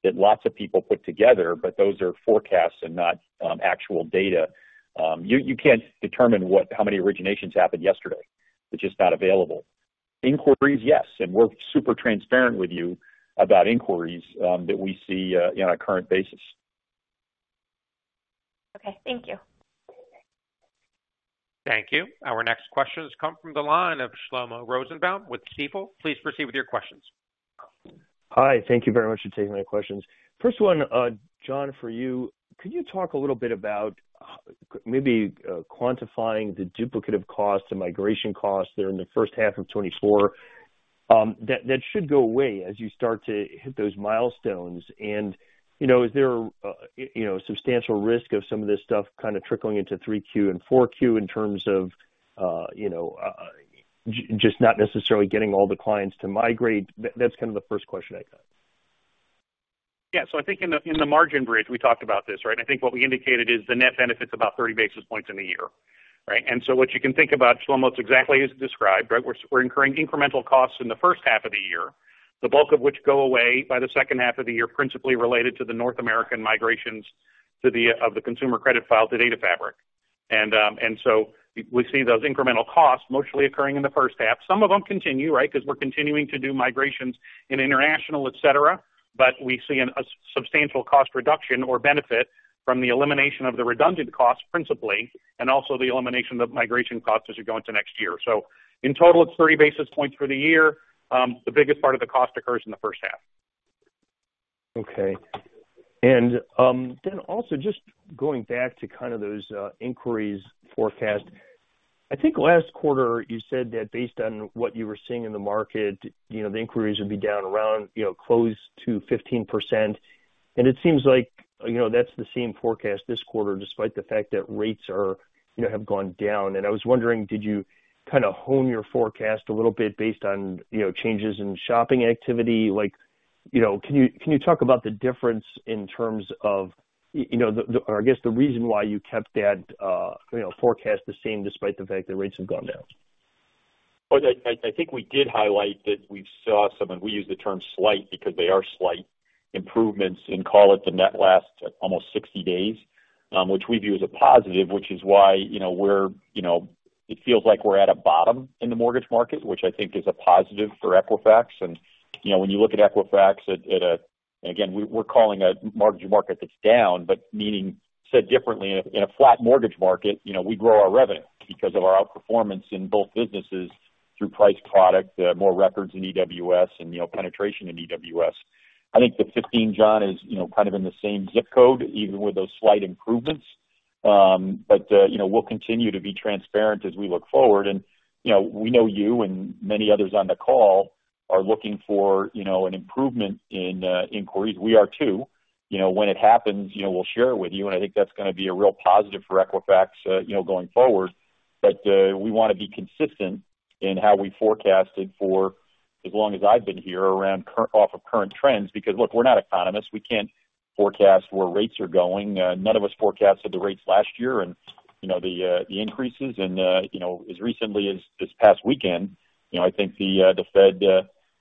that lots of people put together, but those are forecasts and not actual data. You can't determine how many originations happened yesterday. It's just not available. Inquiries, yes, and we're super transparent with you about inquiries that we see on a current basis.
Okay. Thank you.
Thank you. Our next question has come from the line of Shlomo Rosenbaum with Stifel. Please proceed with your questions.
Hi, thank you very much for taking my questions. First one, John, for you, could you talk a little bit about maybe quantifying the duplicative costs, the migration costs there in the first half of 2024, that should go away as you start to hit those milestones. And, you know, is there you know, substantial risk of some of this stuff kind of trickling into 3Q and 4Q in terms of, you know, just not necessarily getting all the clients to migrate? That's kind of the first question I got.
Yeah. So I think in the, in the margin bridge, we talked about this, right? I think what we indicated is the net benefit's about 30 basis points in a year, right? And so what you can think about, Shlomo, it's exactly as described, right? We're incurring incremental costs in the first half of the year, the bulk of which go away by the second half of the year, principally related to the North American migrations to the consumer credit file to Data Fabric. And so we see those incremental costs mostly occurring in the first half. Some of them continue, right? Because we're continuing to do migrations in international, et cetera, but we see a substantial cost reduction or benefit from the elimination of the redundant costs, principally, and also the elimination of migration costs as we go into next year. So in total, it's 30 basis points for the year. The biggest part of the cost occurs in the first half.
Okay. And then also just going back to kind of those inquiries forecast. I think last quarter, you said that based on what you were seeing in the market, you know, the inquiries would be down around, you know, close to 15%. And it seems like, you know, that's the same forecast this quarter, despite the fact that rates are, you know, have gone down. And I was wondering, did you kind of hone your forecast a little bit based on, you know, changes in shopping activity? Like, you know, can you talk about the difference in terms of you know, the, or I guess, the reason why you kept that forecast the same, despite the fact that rates have gone down?
Well, I think we did highlight that we saw some, and we use the term slight, because they are slight, improvements in call it the net last almost 60 days, which we view as a positive, which is why, you know, we're, you know. It feels like we're at a bottom in the mortgage market, which I think is a positive for Equifax. And, you know, when you look at Equifax at a. Again, we're calling a mortgage market that's down, but meaning, said differently, in a flat mortgage market, you know, we grow our revenue because of our outperformance in both businesses through price product, more records in EWS and, you know, penetration in EWS. I think the 15, John, is, you know, kind of in the same zip code, even with those slight improvements. But, you know, we'll continue to be transparent as we look forward. And, you know, we know you and many others on the call are looking for, you know, an improvement in, inquiries. We are, too. You know, when it happens, you know, we'll share it with you, and I think that's gonna be a real positive for Equifax, you know, going forward. But, we wanna be consistent in how we forecasted for, as long as I've been here, around off of current trends, because, look, we're not economists. We can't forecast where rates are going. None of us forecasted the rates last year and, you know, the increases. And, you know, as recently as this past weekend, you know, I think the Fed,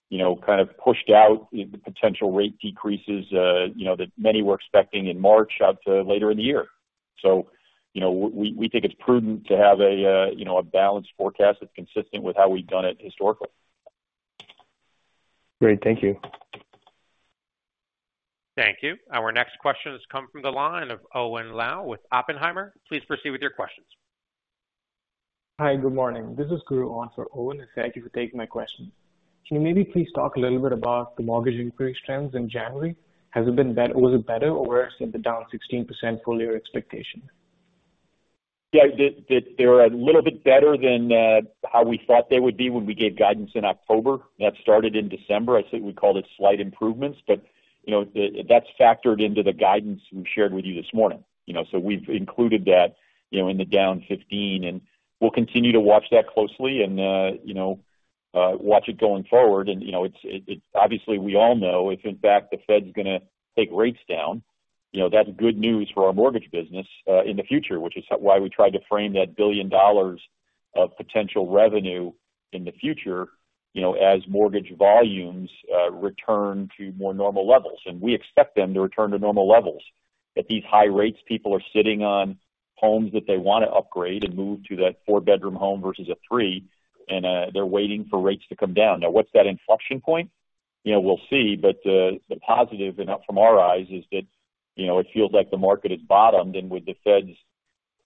you know, kind of pushed out the potential rate decreases, you know, that many were expecting in March out to later in the year. So, you know, we think it's prudent to have a, you know, a balanced forecast that's consistent with how we've done it historically.
Great. Thank you.
Thank you. Our next question has come from the line of Owen Lau with Oppenheimer. Please proceed with your questions.
Hi, good morning. This is Guru on for Owen. Thank you for taking my question. Can you maybe please talk a little bit about the mortgage inquiry trends in January? Has it been better, or was it better, or worse than the down 16% full year expectation?
Yeah, they were a little bit better than how we thought they would be when we gave guidance in October. That started in December. I think we called it slight improvements, but, you know, that's factored into the guidance we've shared with you this morning. You know, so we've included that, you know, in the down 15, and we'll continue to watch that closely and, you know, watch it going forward. And, you know, it's. Obviously, we all know if, in fact, the Fed's gonna take rates down, you know, that's good news for our mortgage business in the future, which is why we tried to frame that $1 billion of potential revenue in the future, you know, as mortgage volumes return to more normal levels. And we expect them to return to normal levels. At these high rates, people are sitting on homes that they want to upgrade and move to that four-bedroom home versus a three, and they're waiting for rates to come down. Now, what's that inflection point? You know, we'll see. But, the positive, and from our eyes, is that, you know, it feels like the market has bottomed, and with the Feds,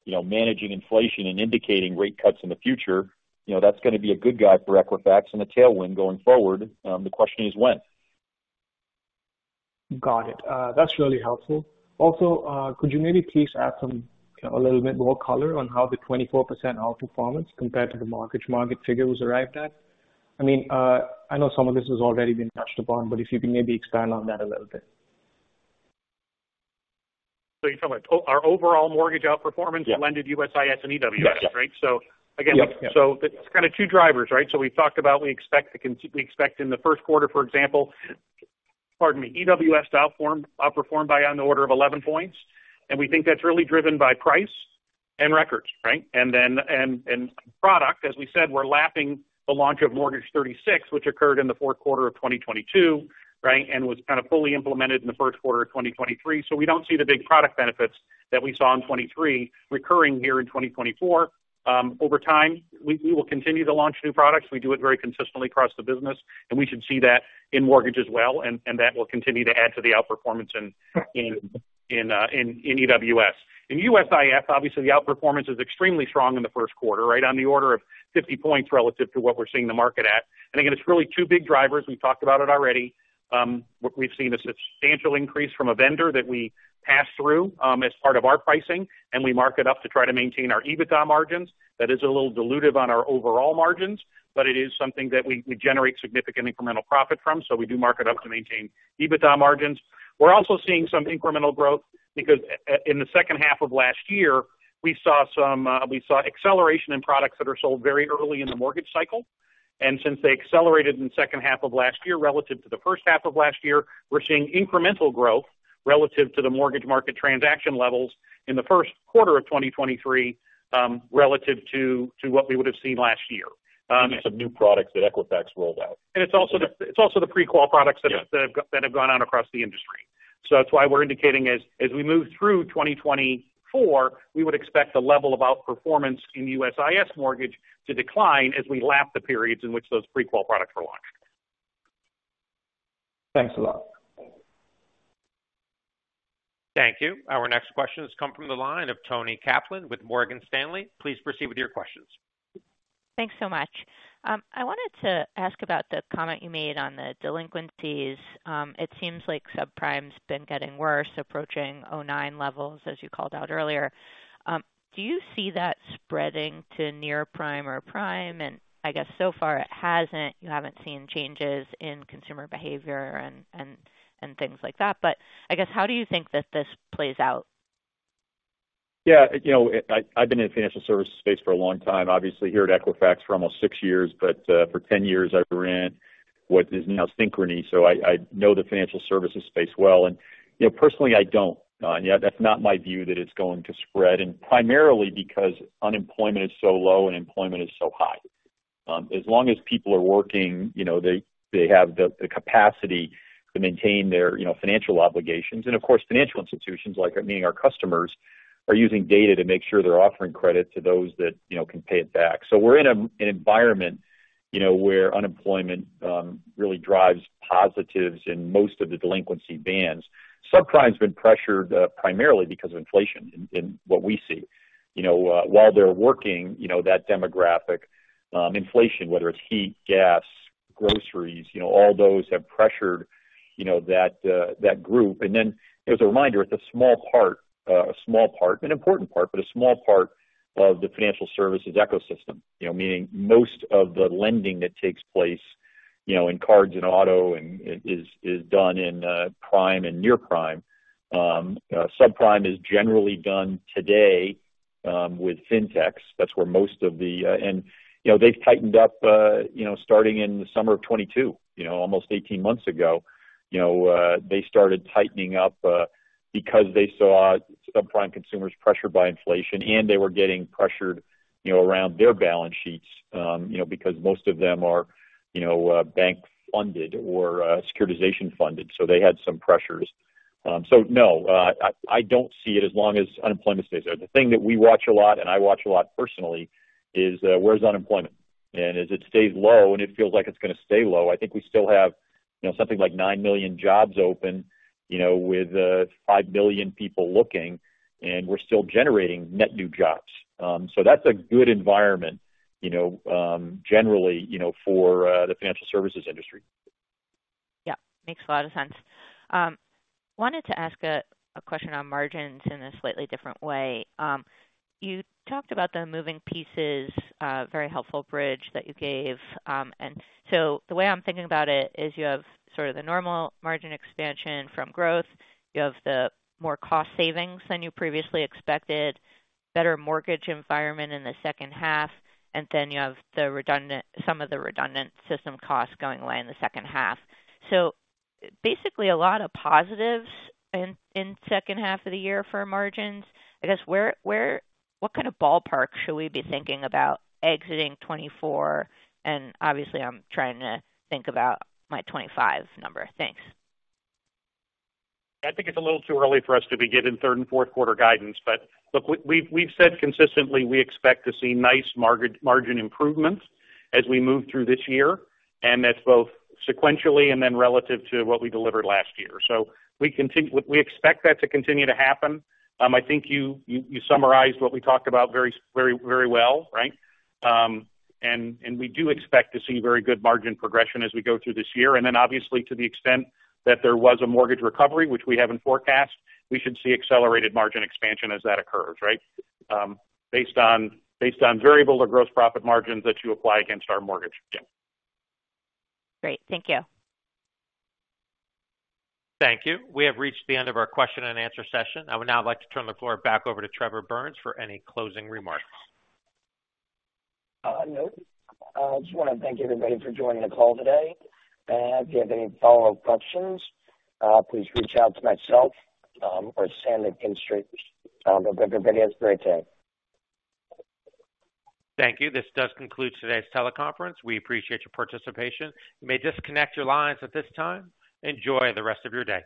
you know, managing inflation and indicating rate cuts in the future, you know, that's gonna be a good guy for Equifax and a tailwind going forward. The question is when?
Got it. That's really helpful. Also, could you maybe please add some, a little bit more color on how the 24% outperformance compared to the mortgage market figure was arrived at? I mean, I know some of this has already been touched upon, but if you can maybe expand on that a little bit.
You're talking about our overall mortgage outperformance-
Yeah.
To lending USIS and EWS, right?
Yeah. Yep.
So again, so it's kind of two drivers, right? So we've talked about, we expect in the first quarter, for example... Pardon me. EWS outperformed by on the order of 11 points, and we think that's really driven by price. And records, right? And then, and product, as we said, we're lapping the launch of Mortgage 36, which occurred in the fourth quarter of 2022, right? And was kind of fully implemented in the first quarter of 2023. So we don't see the big product benefits that we saw in 2023 recurring here in 2024. Over time, we will continue to launch new products. We do it very consistently across the business, and we should see that in mortgage as well, and that will continue to add to the outperformance in EWS. In USIS, obviously, the outperformance is extremely strong in the first quarter, right on the order of 50 points relative to what we're seeing the market at. And again, it's really two big drivers. We've talked about it already. What we've seen, a substantial increase from a vendor that we pass through as part of our pricing, and we mark it up to try to maintain our EBITDA margins. That is a little dilutive on our overall margins, but it is something that we generate significant incremental profit from, so we do mark it up to maintain EBITDA margins. We're also seeing some incremental growth because in the second half of last year, we saw acceleration in products that are sold very early in the mortgage cycle. And since they accelerated in the second half of last year relative to the first half of last year, we're seeing incremental growth relative to the mortgage market transaction levels in the first quarter of 2023 relative to what we would have seen last year.
Some new products that Equifax rolled out.
It's also the pre-qual products-
Yeah.
That have gone out across the industry. So that's why we're indicating as we move through 2024, we would expect the level of outperformance in the USIS mortgage to decline as we lap the periods in which those pre-qual products were launched.
Thanks a lot.
Thank you. Our next question has come from the line of Toni Kaplan with Morgan Stanley. Please proceed with your questions.
Thanks so much. I wanted to ask about the comment you made on the delinquencies. It seems like subprime's been getting worse, approaching '09 levels, as you called out earlier. Do you see that spreading to near prime or prime? And I guess so far it hasn't. You haven't seen changes in consumer behavior and things like that. But I guess, how do you think that this plays out?
Yeah, you know, I, I've been in the financial services space for a long time. Obviously, here at Equifax for almost six years, but for 10 years I ran what is now Synchrony, so I know the financial services space well. And, you know, personally, I don't. Yeah, that's not my view, that it's going to spread, and primarily because unemployment is so low and employment is so high. As long as people are working, you know, they have the capacity to maintain their, you know, financial obligations. And of course, financial institutions, like, meaning our customers, are using data to make sure they're offering credit to those that, you know, can pay it back. So we're in an environment, you know, where unemployment really drives positives in most of the delinquency bands. Subprime's been pressured, primarily because of inflation, in what we see. You know, while they're working, you know, that demographic, inflation, whether it's heat, gas, groceries, you know, all those have pressured, you know, that, that group. And then, as a reminder, it's a small part, a small part, an important part, but a small part of the financial services ecosystem. You know, meaning most of the lending that takes place, you know, in cards and auto and is done in prime and near prime. Subprime is generally done today, with fintechs. That's where most of the... And, you know, they've tightened up, you know, starting in the summer of 2022, you know, almost 18 months ago. You know, they started tightening up, because they saw subprime consumers pressured by inflation, and they were getting pressured, you know, around their balance sheets, you know, because most of them are, you know, bank-funded or, securitization-funded, so they had some pressures. So no, I don't see it as long as unemployment stays there. The thing that we watch a lot, and I watch a lot personally, is, where's unemployment? And as it stays low and it feels like it's going to stay low, I think we still have, you know, something like 9 million jobs open, you know, with, 5 billion people looking, and we're still generating net new jobs. So that's a good environment, you know, generally, you know, for, the financial services industry.
Yeah, makes a lot of sense. Wanted to ask a question on margins in a slightly different way. You talked about the moving pieces, very helpful bridge that you gave. And so the way I'm thinking about it is you have sort of the normal margin expansion from growth. You have the more cost savings than you previously expected, better mortgage environment in the second half, and then you have the redundant—some of the redundant system costs going away in the second half. So basically, a lot of positives in second half of the year for margins. I guess, what kind of ballpark should we be thinking about exiting 2024? And obviously, I'm trying to think about my 2025 number. Thanks.
I think it's a little too early for us to be giving third and fourth quarter guidance, but look, we've said consistently, we expect to see nice margin improvements as we move through this year, and that's both sequentially and then relative to what we delivered last year. So we expect that to continue to happen. I think you summarized what we talked about very, very, very well, right? And we do expect to see very good margin progression as we go through this year. And then obviously, to the extent that there was a mortgage recovery, which we haven't forecast, we should see accelerated margin expansion as that occurs, right? Based on variable or gross profit margins that you apply against our mortgage team.
Great. Thank you.
Thank you. We have reached the end of our question and answer session. I would now like to turn the floor back over to Trevor Burns for any closing remarks.
Nope. I just want to thank everybody for joining the call today. If you have any follow-up questions, please reach out to myself or Sam McKinstry. Hope everybody has a great day.
Thank you. This does conclude today's teleconference. We appreciate your participation. You may disconnect your lines at this time. Enjoy the rest of your day.